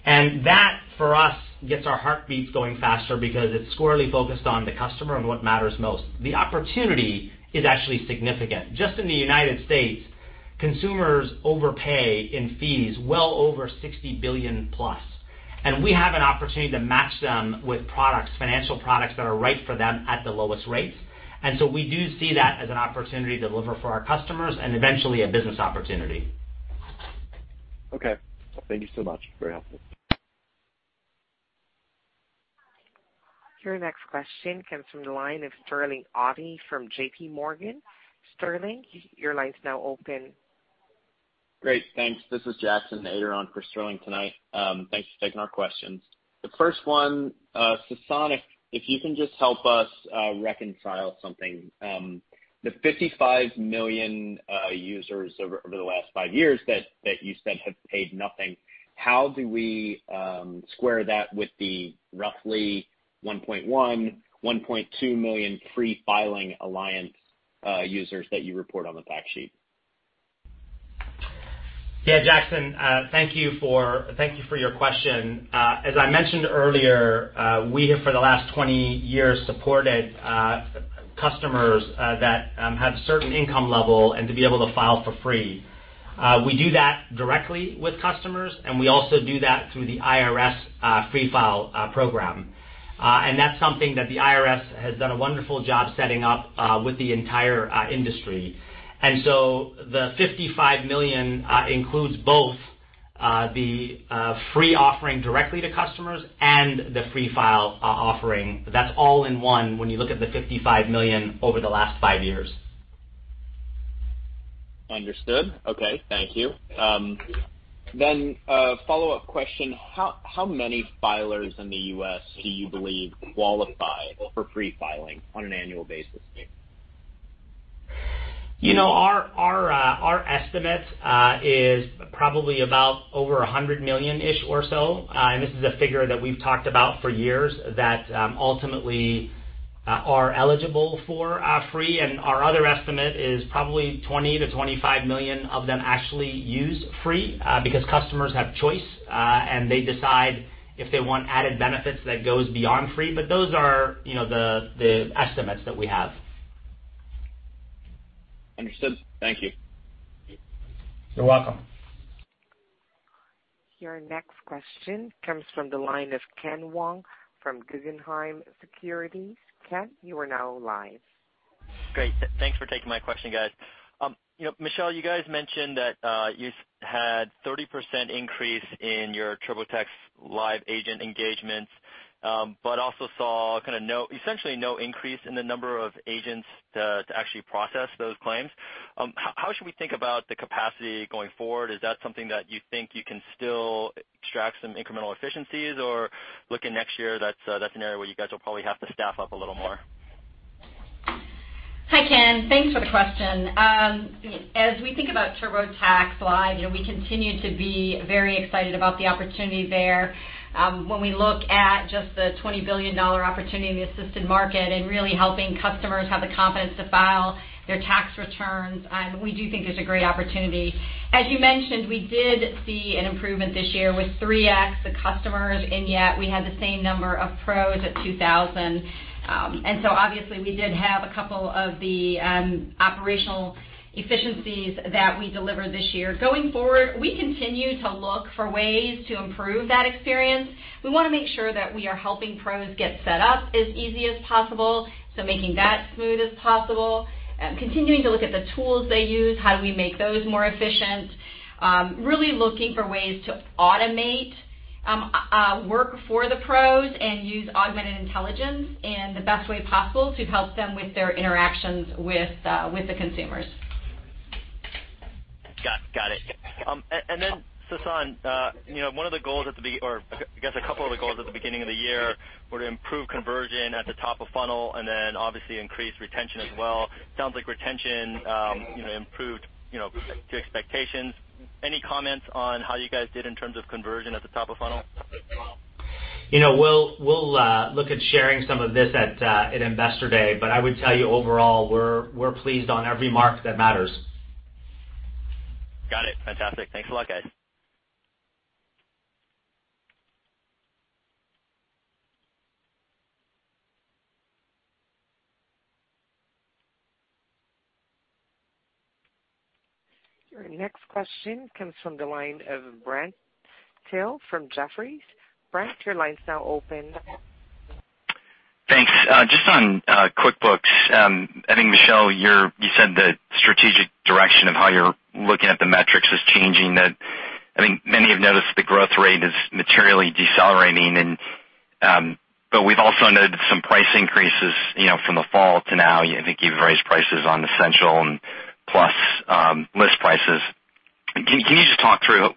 [SPEAKER 1] That, for us, gets our heartbeats going faster because it's squarely focused on the customer and what matters most. The opportunity is actually significant. Just in the U.S., consumers overpay in fees well over $60 billion plus. We have an opportunity to match them with products, financial products, that are right for them at the lowest rates. We do see that as an opportunity to deliver for our customers and eventually a business opportunity.
[SPEAKER 9] Okay. Thank you so much. Very helpful.
[SPEAKER 3] Your next question comes from the line of Sterling Auty from JPMorgan. Sterling, your line's now open.
[SPEAKER 10] Great, thanks. This is Jackson Ader on for Sterling tonight. Thanks for taking our questions. The first one, Sasan, if you can just help us reconcile something. The 55 million users over the last five years that you said have paid nothing, how do we square that with the roughly 1.1 million, 1.2 million Free File Alliance users that you report on the fact sheet?
[SPEAKER 1] Yeah, Jackson, thank you for your question. As I mentioned earlier, we have for the last 20 years supported customers that have a certain income level and to be able to file for free. We do that directly with customers, and we also do that through the IRS Free File program. That's something that the IRS has done a wonderful job setting up with the entire industry. The 55 million includes both the free offering directly to customers and the Free File offering. That's all in one when you look at the 55 million over the last five years.
[SPEAKER 10] Understood. Okay. Thank you. A follow-up question. How many filers in the U.S. do you believe qualify for free filing on an annual basis?
[SPEAKER 1] Our estimate is probably about over 100 million-ish or so, this is a figure that we've talked about for years that ultimately are eligible for free. Our other estimate is probably 20 million-25 million of them actually use free, because customers have choice, and they decide if they want added benefits that goes beyond free. Those are the estimates that we have.
[SPEAKER 10] Understood. Thank you.
[SPEAKER 1] You're welcome.
[SPEAKER 3] Your next question comes from the line of Kenneth Wong from Guggenheim Securities. Ken, you are now live.
[SPEAKER 11] Great. Thanks for taking my question, guys. Michelle, you guys mentioned that you had 30% increase in your TurboTax Live agent engagements, also saw essentially no increase in the number of agents to actually process those claims. How should we think about the capacity going forward? Is that something that you think you can still extract some incremental efficiencies, or looking next year, that's an area where you guys will probably have to staff up a little more?
[SPEAKER 2] Hi, Ken. Thanks for the question. As we think about TurboTax Live, we continue to be very excited about the opportunity there. When we look at just the $20 billion opportunity in the assisted market and really helping customers have the confidence to file their tax returns, we do think there's a great opportunity. As you mentioned, we did see an improvement this year with 3x the customers, yet we had the same number of pros at 2,000. Obviously, we did have a couple of the operational efficiencies that we delivered this year. Going forward, we continue to look for ways to improve that experience. We want to make sure that we are helping pros get set up as easy as possible, so making that smooth as possible. Continuing to look at the tools they use, how do we make those more efficient. Really looking for ways to automate work for the pros and use augmented intelligence in the best way possible to help them with their interactions with the consumers.
[SPEAKER 11] Got it. Sasan, I guess a couple of the goals at the beginning of the year were to improve conversion at the top of funnel obviously increase retention as well. Sounds like retention improved to expectations. Any comments on how you guys did in terms of conversion at the top of funnel?
[SPEAKER 1] We'll look at sharing some of this at Investor Day, I would tell you overall, we're pleased on every mark that matters.
[SPEAKER 11] Got it. Fantastic. Thanks a lot, guys.
[SPEAKER 3] Your next question comes from the line of Brent Thill from Jefferies. Brent, your line's now open.
[SPEAKER 12] Thanks. Just on QuickBooks. I think, Michelle, you said the strategic direction of how you're looking at the metrics is changing. We've also noted some price increases from the fall to now. I think you've raised prices on Essential and Plus list prices. Can you just talk through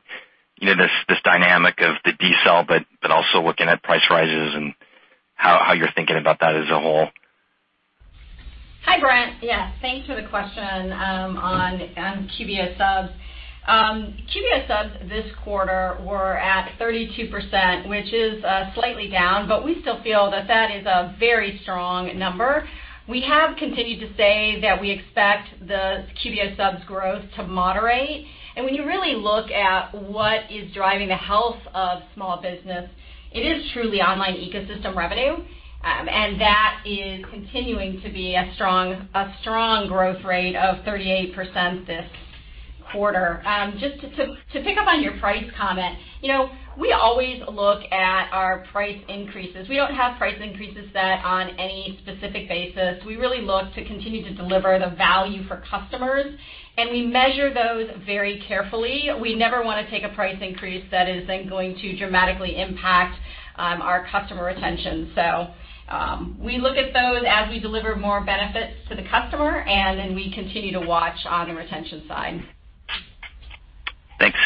[SPEAKER 12] this dynamic of the decel, also looking at price rises and how you're thinking about that as a whole?
[SPEAKER 2] Hi, Brent. Yeah, thanks for the question on QBO subs. QBO subs this quarter were at 32%, which is slightly down, we still feel that is a very strong number. We have continued to say that we expect the QBO subs growth to moderate. When you really look at what is driving the health of small business, it is truly online ecosystem revenue. That is continuing to be a strong growth rate of 38% this quarter. Just to pick up on your price comment. We always look at our price increases. We don't have price increases set on any specific basis. We really look to continue to deliver the value for customers, we measure those very carefully. We never want to take a price increase that is then going to dramatically impact our customer retention. We look at those as we deliver more benefits to the customer, we continue to watch on the retention side.
[SPEAKER 12] Thanks.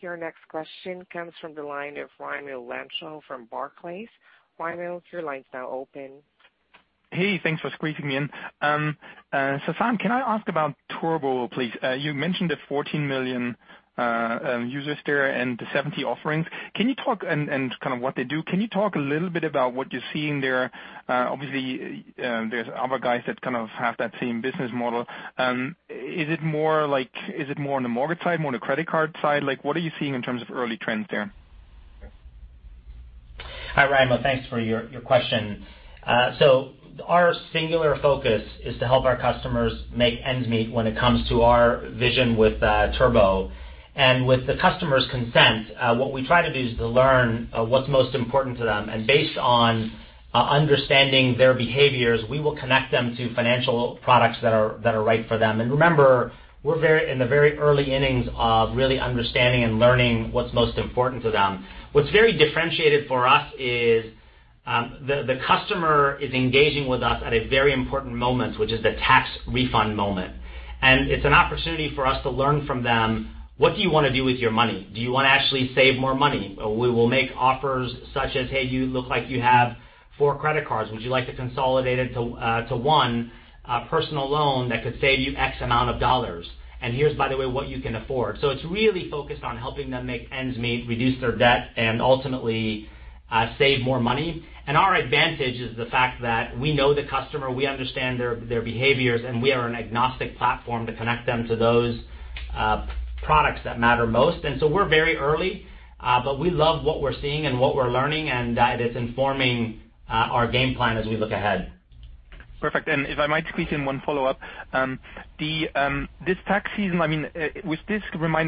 [SPEAKER 3] Your next question comes from the line of Raimo Lenschow from Barclays. Raimo, your line's now open.
[SPEAKER 13] Hey, thanks for squeezing me in. Sasan, can I ask about Turbo please? You mentioned the 14 million users there and the 70 offerings. Can you talk and kind of what they do? Can you talk a little bit about what you're seeing there? There's other guys that kind of have that same business model. Is it more on the mortgage side, more on the credit card side? What are you seeing in terms of early trends there?
[SPEAKER 1] Hi, Raimo. Thanks for your question. Our singular focus is to help our customers make ends meet when it comes to our vision with Turbo. With the customer's consent, what we try to do is to learn what's most important to them. Based on understanding their behaviors, we will connect them to financial products that are right for them. Remember, we're in the very early innings of really understanding and learning what's most important to them. What's very differentiated for us is the customer is engaging with us at a very important moment, which is the tax refund moment. It's an opportunity for us to learn from them. What do you want to do with your money? Do you want to actually save more money? We will make offers such as, "Hey, you look like you have four credit cards. Would you like to consolidate it to one personal loan that could save you X amount of dollars? Here's by the way, what you can afford." It's really focused on helping them make ends meet, reduce their debt, and ultimately save more money. Our advantage is the fact that we know the customer, we understand their behaviors, and we are an agnostic platform to connect them to those products that matter most. We're very early. We love what we're seeing and what we're learning, and that is informing our game plan as we look ahead.
[SPEAKER 13] Perfect. If I might squeeze in one follow-up. This tax season, remind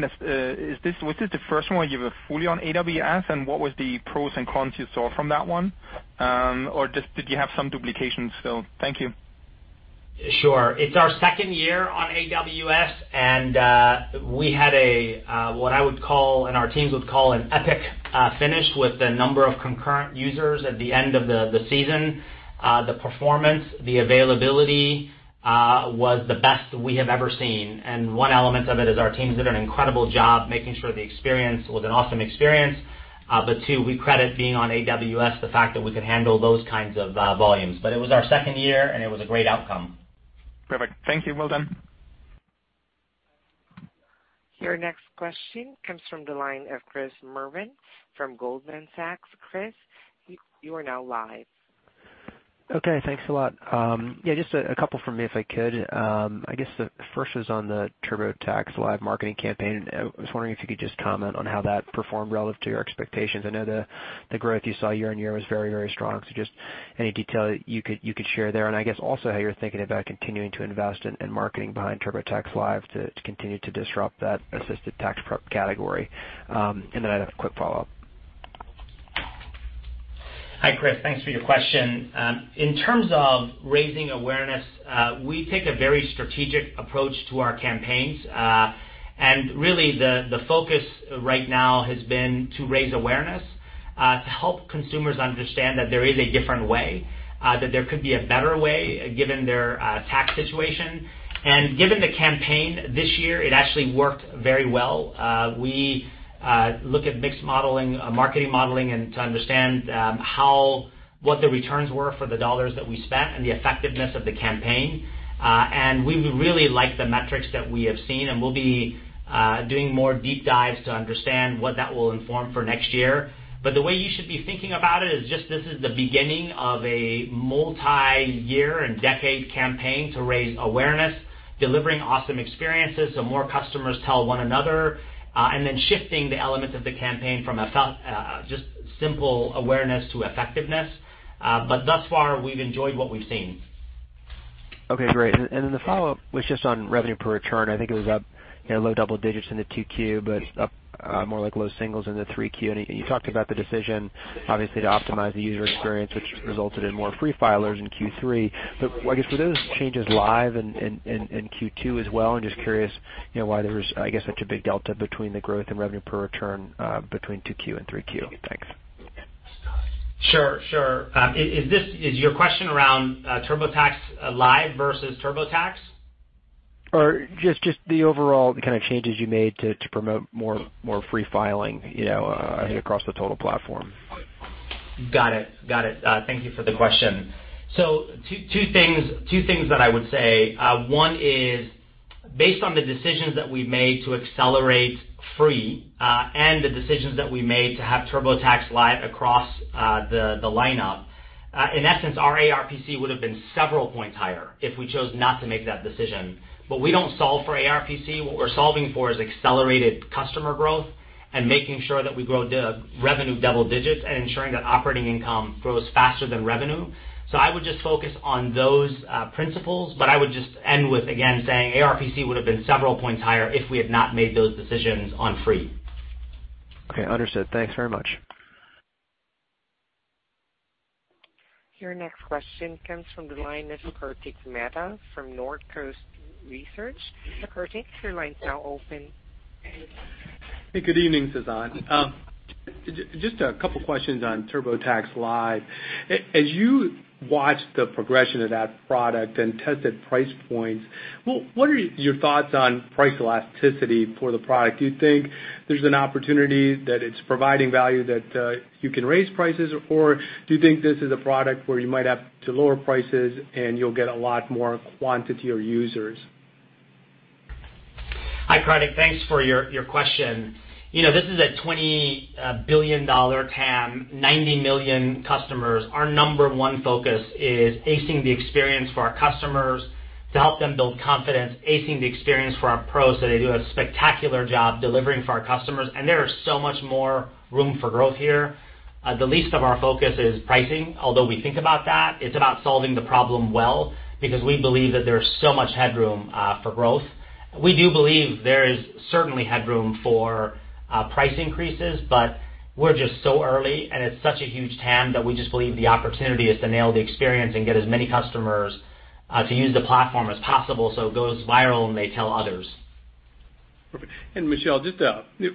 [SPEAKER 13] us, was this the first one where you were fully on AWS? What was the pros and cons you saw from that one? Did you have some duplications still? Thank you.
[SPEAKER 1] Sure. It's our second year on AWS, and we had what I would call and our teams would call an epic finish with the number of concurrent users at the end of the season. The performance, the availability was the best we have ever seen. One element of it is our teams did an incredible job making sure the experience was an awesome experience. Two, we credit being on AWS, the fact that we could handle those kinds of volumes. It was our second year, and it was a great outcome.
[SPEAKER 13] Perfect. Thank you. Well done.
[SPEAKER 3] Your next question comes from the line of Chris Merwin from Goldman Sachs. Chris, you are now live.
[SPEAKER 14] Okay. Thanks a lot. Yeah, just a couple from me, if I could. I guess the first is on the TurboTax Live marketing campaign. I was wondering if you could just comment on how that performed relative to your expectations. I know the growth you saw year-over-year was very, very strong. Just any detail that you could share there, and I guess also how you're thinking about continuing to invest in marketing behind TurboTax Live to continue to disrupt that assisted tax prep category. I'd have a quick follow-up.
[SPEAKER 1] Hi, Chris. Thanks for your question. In terms of raising awareness, we take a very strategic approach to our campaigns. Really the focus right now has been to raise awareness to help consumers understand that there is a different way, that there could be a better way given their tax situation. Given the campaign this year, it actually worked very well. We look at mixed modeling, marketing modeling and to understand what the returns were for the dollars that we spent and the effectiveness of the campaign. We really like the metrics that we have seen, and we'll be doing more deep dives to understand what that will inform for next year. The way you should be thinking about it is just this is the beginning of a multi-year and decade campaign to raise awareness, delivering awesome experiences so more customers tell one another. Shifting the elements of the campaign from just simple awareness to effectiveness. Thus far, we've enjoyed what we've seen.
[SPEAKER 14] Okay, great. The follow-up was just on revenue per return. I think it was up low double digits in the 2Q, but up more like low singles in the 3Q. You talked about the decision obviously to optimize the user experience, which resulted in more free filers in Q3. I guess, were those changes live in Q2 as well? I'm just curious why there was, I guess, such a big delta between the growth in revenue per return between 2Q and 3Q. Thanks.
[SPEAKER 1] Sure. Is your question around TurboTax Live versus TurboTax?
[SPEAKER 14] Just the overall kind of changes you made to promote more free filing across the total platform.
[SPEAKER 1] Got it. Thank you for the question. Two things that I would say. One is based on the decisions that we've made to accelerate free, and the decisions that we made to have TurboTax Live across the lineup, in essence, our ARPC would've been several points higher if we chose not to make that decision. We don't solve for ARPC. What we're solving for is accelerated customer growth and making sure that we grow revenue double digits and ensuring that operating income grows faster than revenue. I would just focus on those principles, but I would just end with, again, saying ARPC would've been several points higher if we had not made those decisions on free.
[SPEAKER 14] Okay, understood. Thanks very much.
[SPEAKER 3] Your next question comes from the line of Kartik Mehta from Northcoast Research. Kartik, your line's now open.
[SPEAKER 15] Hey, good evening, Sasan. Just a couple questions on TurboTax Live. As you watch the progression of that product and tested price points, what are your thoughts on price elasticity for the product? Do you think there's an opportunity that it's providing value that you can raise prices, or do you think this is a product where you might have to lower prices and you'll get a lot more quantity or users?
[SPEAKER 1] Hi, Kartik. Thanks for your question. This is a $20 billion TAM, 90 million customers. Our number one focus is acing the experience for our customers to help them build confidence, acing the experience for our pros, so they do a spectacular job delivering for our customers. There is so much more room for growth here. The least of our focus is pricing, although we think about that. It's about solving the problem well, because we believe that there's so much headroom for growth. We do believe there is certainly headroom for price increases, we're just so early, and it's such a huge TAM that we just believe the opportunity is to nail the experience and get as many customers to use the platform as possible, so it goes viral, they tell others.
[SPEAKER 15] Perfect. Michelle, just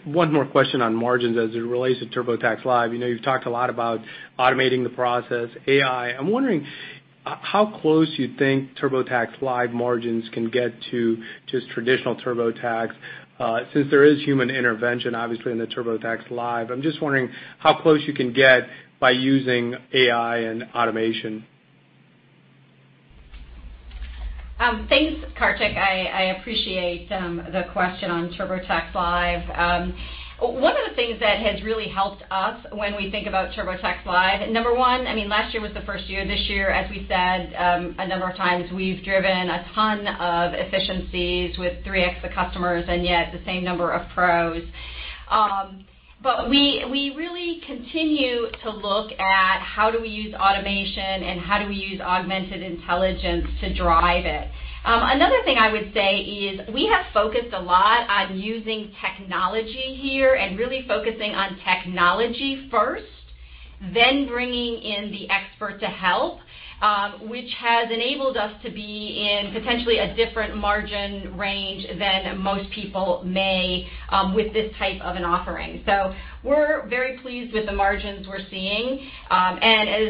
[SPEAKER 15] one more question on margins as it relates to TurboTax Live. You've talked a lot about automating the process, AI. I'm wondering how close you think TurboTax Live margins can get to just traditional TurboTax, since there is human intervention, obviously, in the TurboTax Live. I'm just wondering how close you can get by using AI and automation.
[SPEAKER 2] Thanks, Kartik. I appreciate the question on TurboTax Live. One of the things that has really helped us when we think about TurboTax Live, number one, last year was the first year. This year, as we said a number of times, we've driven a ton of efficiencies with 3x the customers, yet the same number of pros. We really continue to look at how do we use automation and how do we use augmented intelligence to drive it. Another thing I would say is we have focused a lot on using technology here and really focusing on technology first, then bringing in the expert to help. Which has enabled us to be in potentially a different margin range than most people may, with this type of an offering. We're very pleased with the margins we're seeing. As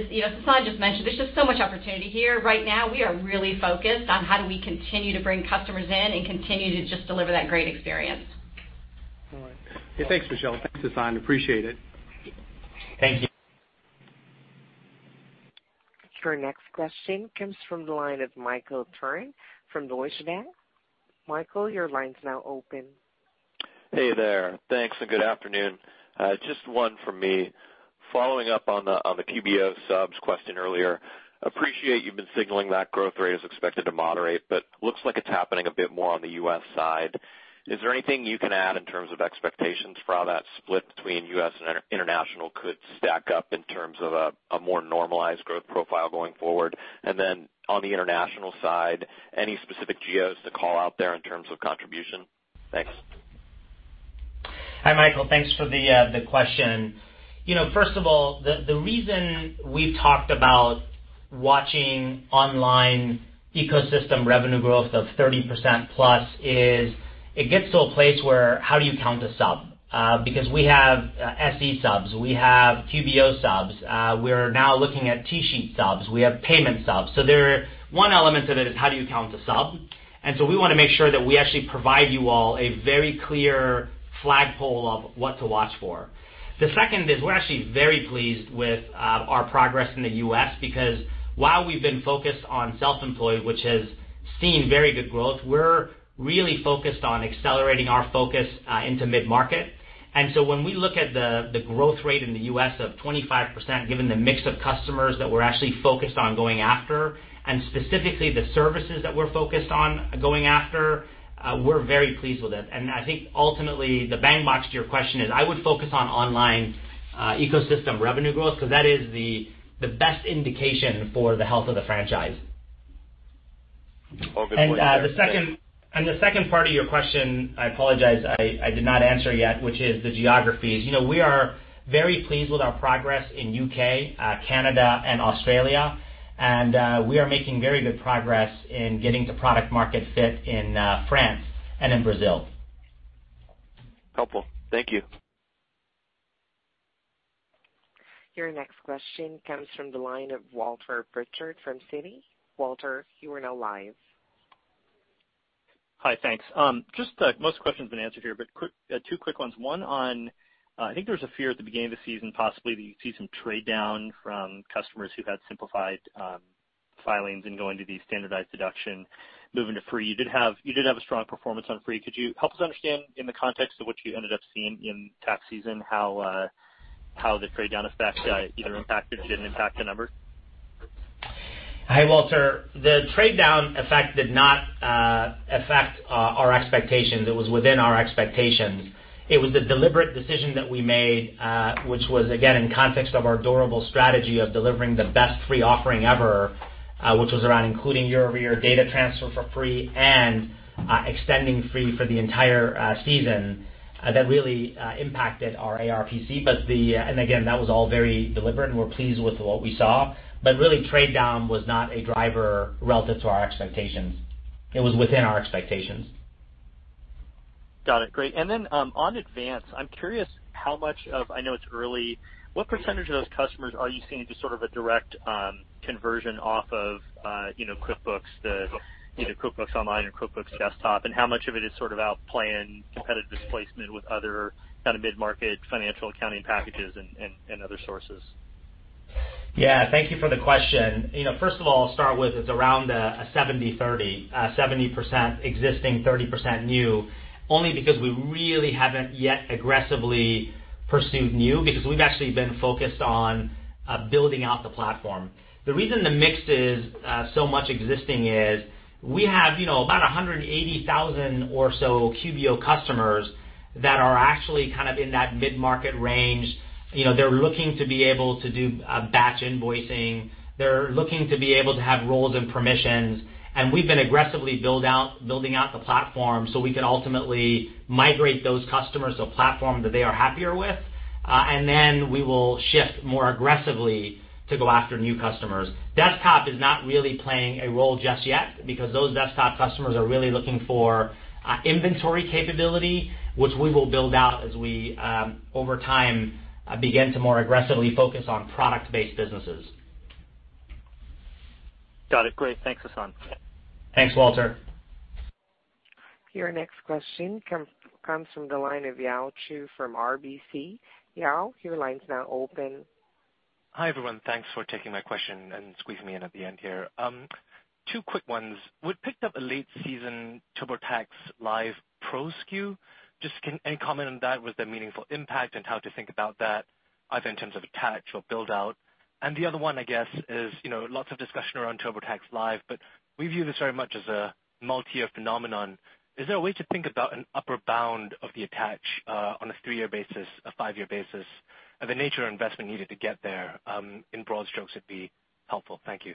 [SPEAKER 2] Sasan just mentioned, there's just so much opportunity here. Right now, we are really focused on how do we continue to bring customers in and continue to just deliver that great experience.
[SPEAKER 15] All right. Thanks, Michelle. Thanks, Sasan. Appreciate it.
[SPEAKER 1] Thank you.
[SPEAKER 3] Your next question comes from the line of Michael Turrin from Deutsche Bank. Michael, your line's now open.
[SPEAKER 16] Hey there. Thanks, and good afternoon. Just one from me. Following up on the QBO subs question earlier. Appreciate you've been signaling that growth rate is expected to moderate, but looks like it's happening a bit more on the U.S. side. Is there anything you can add in terms of expectations for how that split between U.S. and international could stack up in terms of a more normalized growth profile going forward? On the international side, any specific geos to call out there in terms of contribution? Thanks.
[SPEAKER 1] Hi, Michael. Thanks for the question. First of all, the reason we've talked about watching online ecosystem revenue growth of 30% plus is it gets to a place where, how do you count a sub? Because we have SE subs, we have QBO subs, we're now looking at TSheets subs, we have payment subs. One element of it is how do you count a sub? We want to make sure that we actually provide you all a very clear flagpole of what to watch for. The second is we're actually very pleased with our progress in the U.S. because, while we've been focused on self-employed, which has seen very good growth, we're really focused on accelerating our focus into mid-market. When we look at the growth rate in the U.S. of 25%, given the mix of customers that we're actually focused on going after, and specifically the services that we're focused on going after, we're very pleased with it. I think ultimately the punchline to your question is I would focus on online ecosystem revenue growth because that is the best indication for the health of the franchise.
[SPEAKER 16] Focus on-
[SPEAKER 1] The second part of your question, I apologize, I did not answer yet, which is the geographies. We are very pleased with our progress in U.K., Canada, and Australia. We are making very good progress in getting the product market fit in France and in Brazil.
[SPEAKER 16] Helpful. Thank you.
[SPEAKER 3] Your next question comes from the line of Walter Pritchard from Citi. Walter, you are now live.
[SPEAKER 17] Hi. Thanks. Just most questions have been answered here, but two quick ones. One on, I think there was a fear at the beginning of the season, possibly, that you'd see some trade down from customers who had simplified filings and going to the standardized deduction, moving to free. You did have a strong performance on free. Could you help us understand in the context of what you ended up seeing in tax season, how the trade down effect either impacted or didn't impact the numbers?
[SPEAKER 1] Hi, Walter. The trade down effect did not affect our expectations. It was within our expectations. It was a deliberate decision that we made, which was again in context of our durable strategy of delivering the best free offering ever, which was around including year-over-year data transfer for free and extending free for the entire season. That really impacted our ARPC. Again, that was all very deliberate, and we're pleased with what we saw, but really, trade down was not a driver relative to our expectations. It was within our expectations.
[SPEAKER 17] Got it. Great. Then, on Advance, I'm curious how much of I know it's early, what percentage of those customers are you seeing do sort of a direct conversion off of QuickBooks, either QuickBooks Online or QuickBooks Desktop? How much of it is sort of outbound competitive displacement with other kind of mid-market financial accounting packages and other sources?
[SPEAKER 1] Yeah. Thank you for the question. First of all, I'll start with, it's around a 70/30. 70% existing, 30% new. Only because we really haven't yet aggressively pursued new, because we've actually been focused on building out the platform. The reason the mix is so much existing is we have about 180,000 or so QBO customers that are actually kind of in that mid-market range. They're looking to be able to do batch invoicing. They're looking to be able to have roles and permissions. We've been aggressively building out the platform so we can ultimately migrate those customers to a platform that they are happier with. Then we will shift more aggressively to go after new customers. Desktop is not really playing a role just yet because those desktop customers are really looking for inventory capability, which we will build out as we, over time, begin to more aggressively focus on product-based businesses.
[SPEAKER 17] Got it. Great. Thanks, Sasan.
[SPEAKER 1] Thanks, Walter.
[SPEAKER 3] Your next question comes from the line of Yao Chu from RBC. Yao, your line's now open.
[SPEAKER 18] Hi, everyone. Thanks for taking my question and squeezing me in at the end here. Two quick ones. We picked up a late season TurboTax Live Pro SKU. Just any comment on that? Was there meaningful impact and how to think about that either in terms of attach or build-out? The other one, I guess is, lots of discussion around TurboTax Live, but we view this very much as a multi-year phenomenon. Is there a way to think about an upper bound of the attach on a three-year basis, a five-year basis, and the nature of investment needed to get there, in broad strokes would be helpful. Thank you.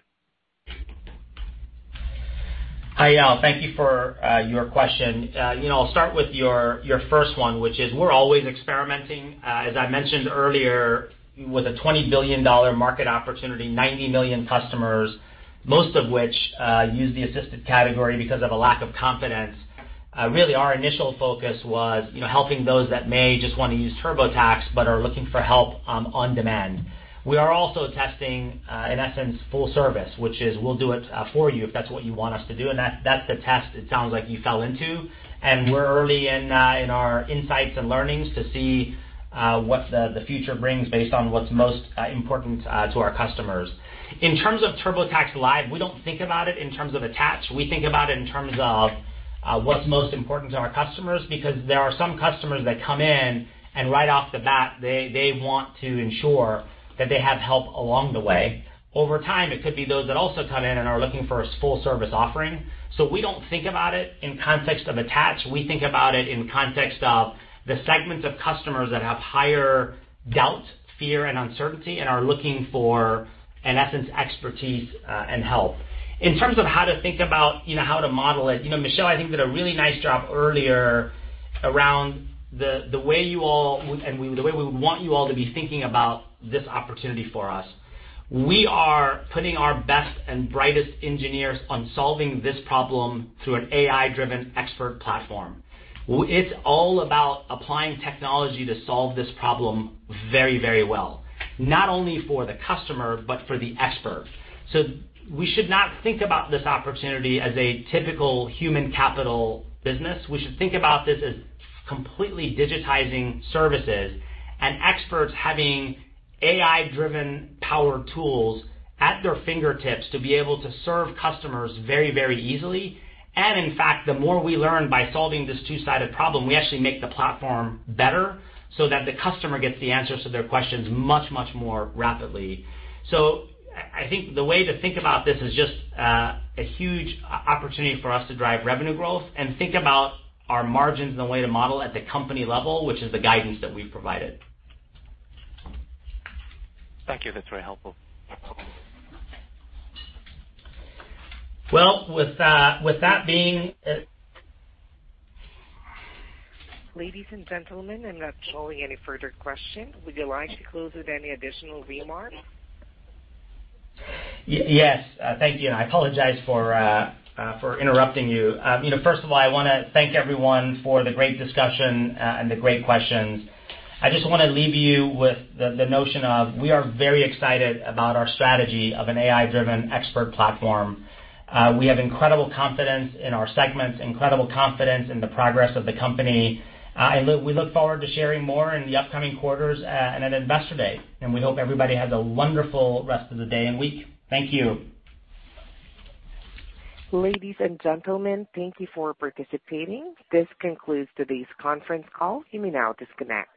[SPEAKER 1] Hi, Yao. Thank you for your question. I'll start with your first one, which is we're always experimenting. As I mentioned earlier, with a $20 billion market opportunity, 90 million customers, most of which use the assisted category because of a lack of confidence. Really our initial focus was helping those that may just want to use TurboTax but are looking for help on demand. We are also testing, in essence, full service, which is we'll do it for you if that's what you want us to do, and that's the test it sounds like you fell into. We're early in our insights and learnings to see what the future brings based on what's most important to our customers. In terms of TurboTax Live, we don't think about it in terms of attach. We think about it in terms of what's most important to our customers, because there are some customers that come in and right off the bat, they want to ensure that they have help along the way. Over time, it could be those that also come in and are looking for a full service offering. We don't think about it in context of attach. We think about it in context of the segments of customers that have higher doubt, fear, and uncertainty and are looking for, in essence, expertise and help. In terms of how to think about how to model it, Michelle, I think, did a really nice job earlier around the way we would want you all to be thinking about this opportunity for us. We are putting our best and brightest engineers on solving this problem through an AI-driven expert platform. It's all about applying technology to solve this problem very well. Not only for the customer but for the expert. We should not think about this opportunity as a typical human capital business. We should think about this as completely digitizing services and experts having AI-driven power tools at their fingertips to be able to serve customers very easily. In fact, the more we learn by solving this two-sided problem, we actually make the platform better so that the customer gets the answers to their questions much more rapidly. I think the way to think about this is just a huge opportunity for us to drive revenue growth and think about our margins and the way to model at the company level, which is the guidance that we've provided.
[SPEAKER 18] Thank you. That's very helpful.
[SPEAKER 1] Well, with that being.
[SPEAKER 3] Ladies and gentlemen, I'm not showing any further questions. Would you like to close with any additional remarks?
[SPEAKER 1] Yes. Thank you. I apologize for interrupting you. First of all, I want to thank everyone for the great discussion and the great questions. I just want to leave you with the notion of we are very excited about our strategy of an AI-driven expert platform. We have incredible confidence in our segments, incredible confidence in the progress of the company. We look forward to sharing more in the upcoming quarters and at Investor Day. We hope everybody has a wonderful rest of the day and week. Thank you.
[SPEAKER 3] Ladies and gentlemen, thank you for participating. This concludes today's conference call. You may now disconnect.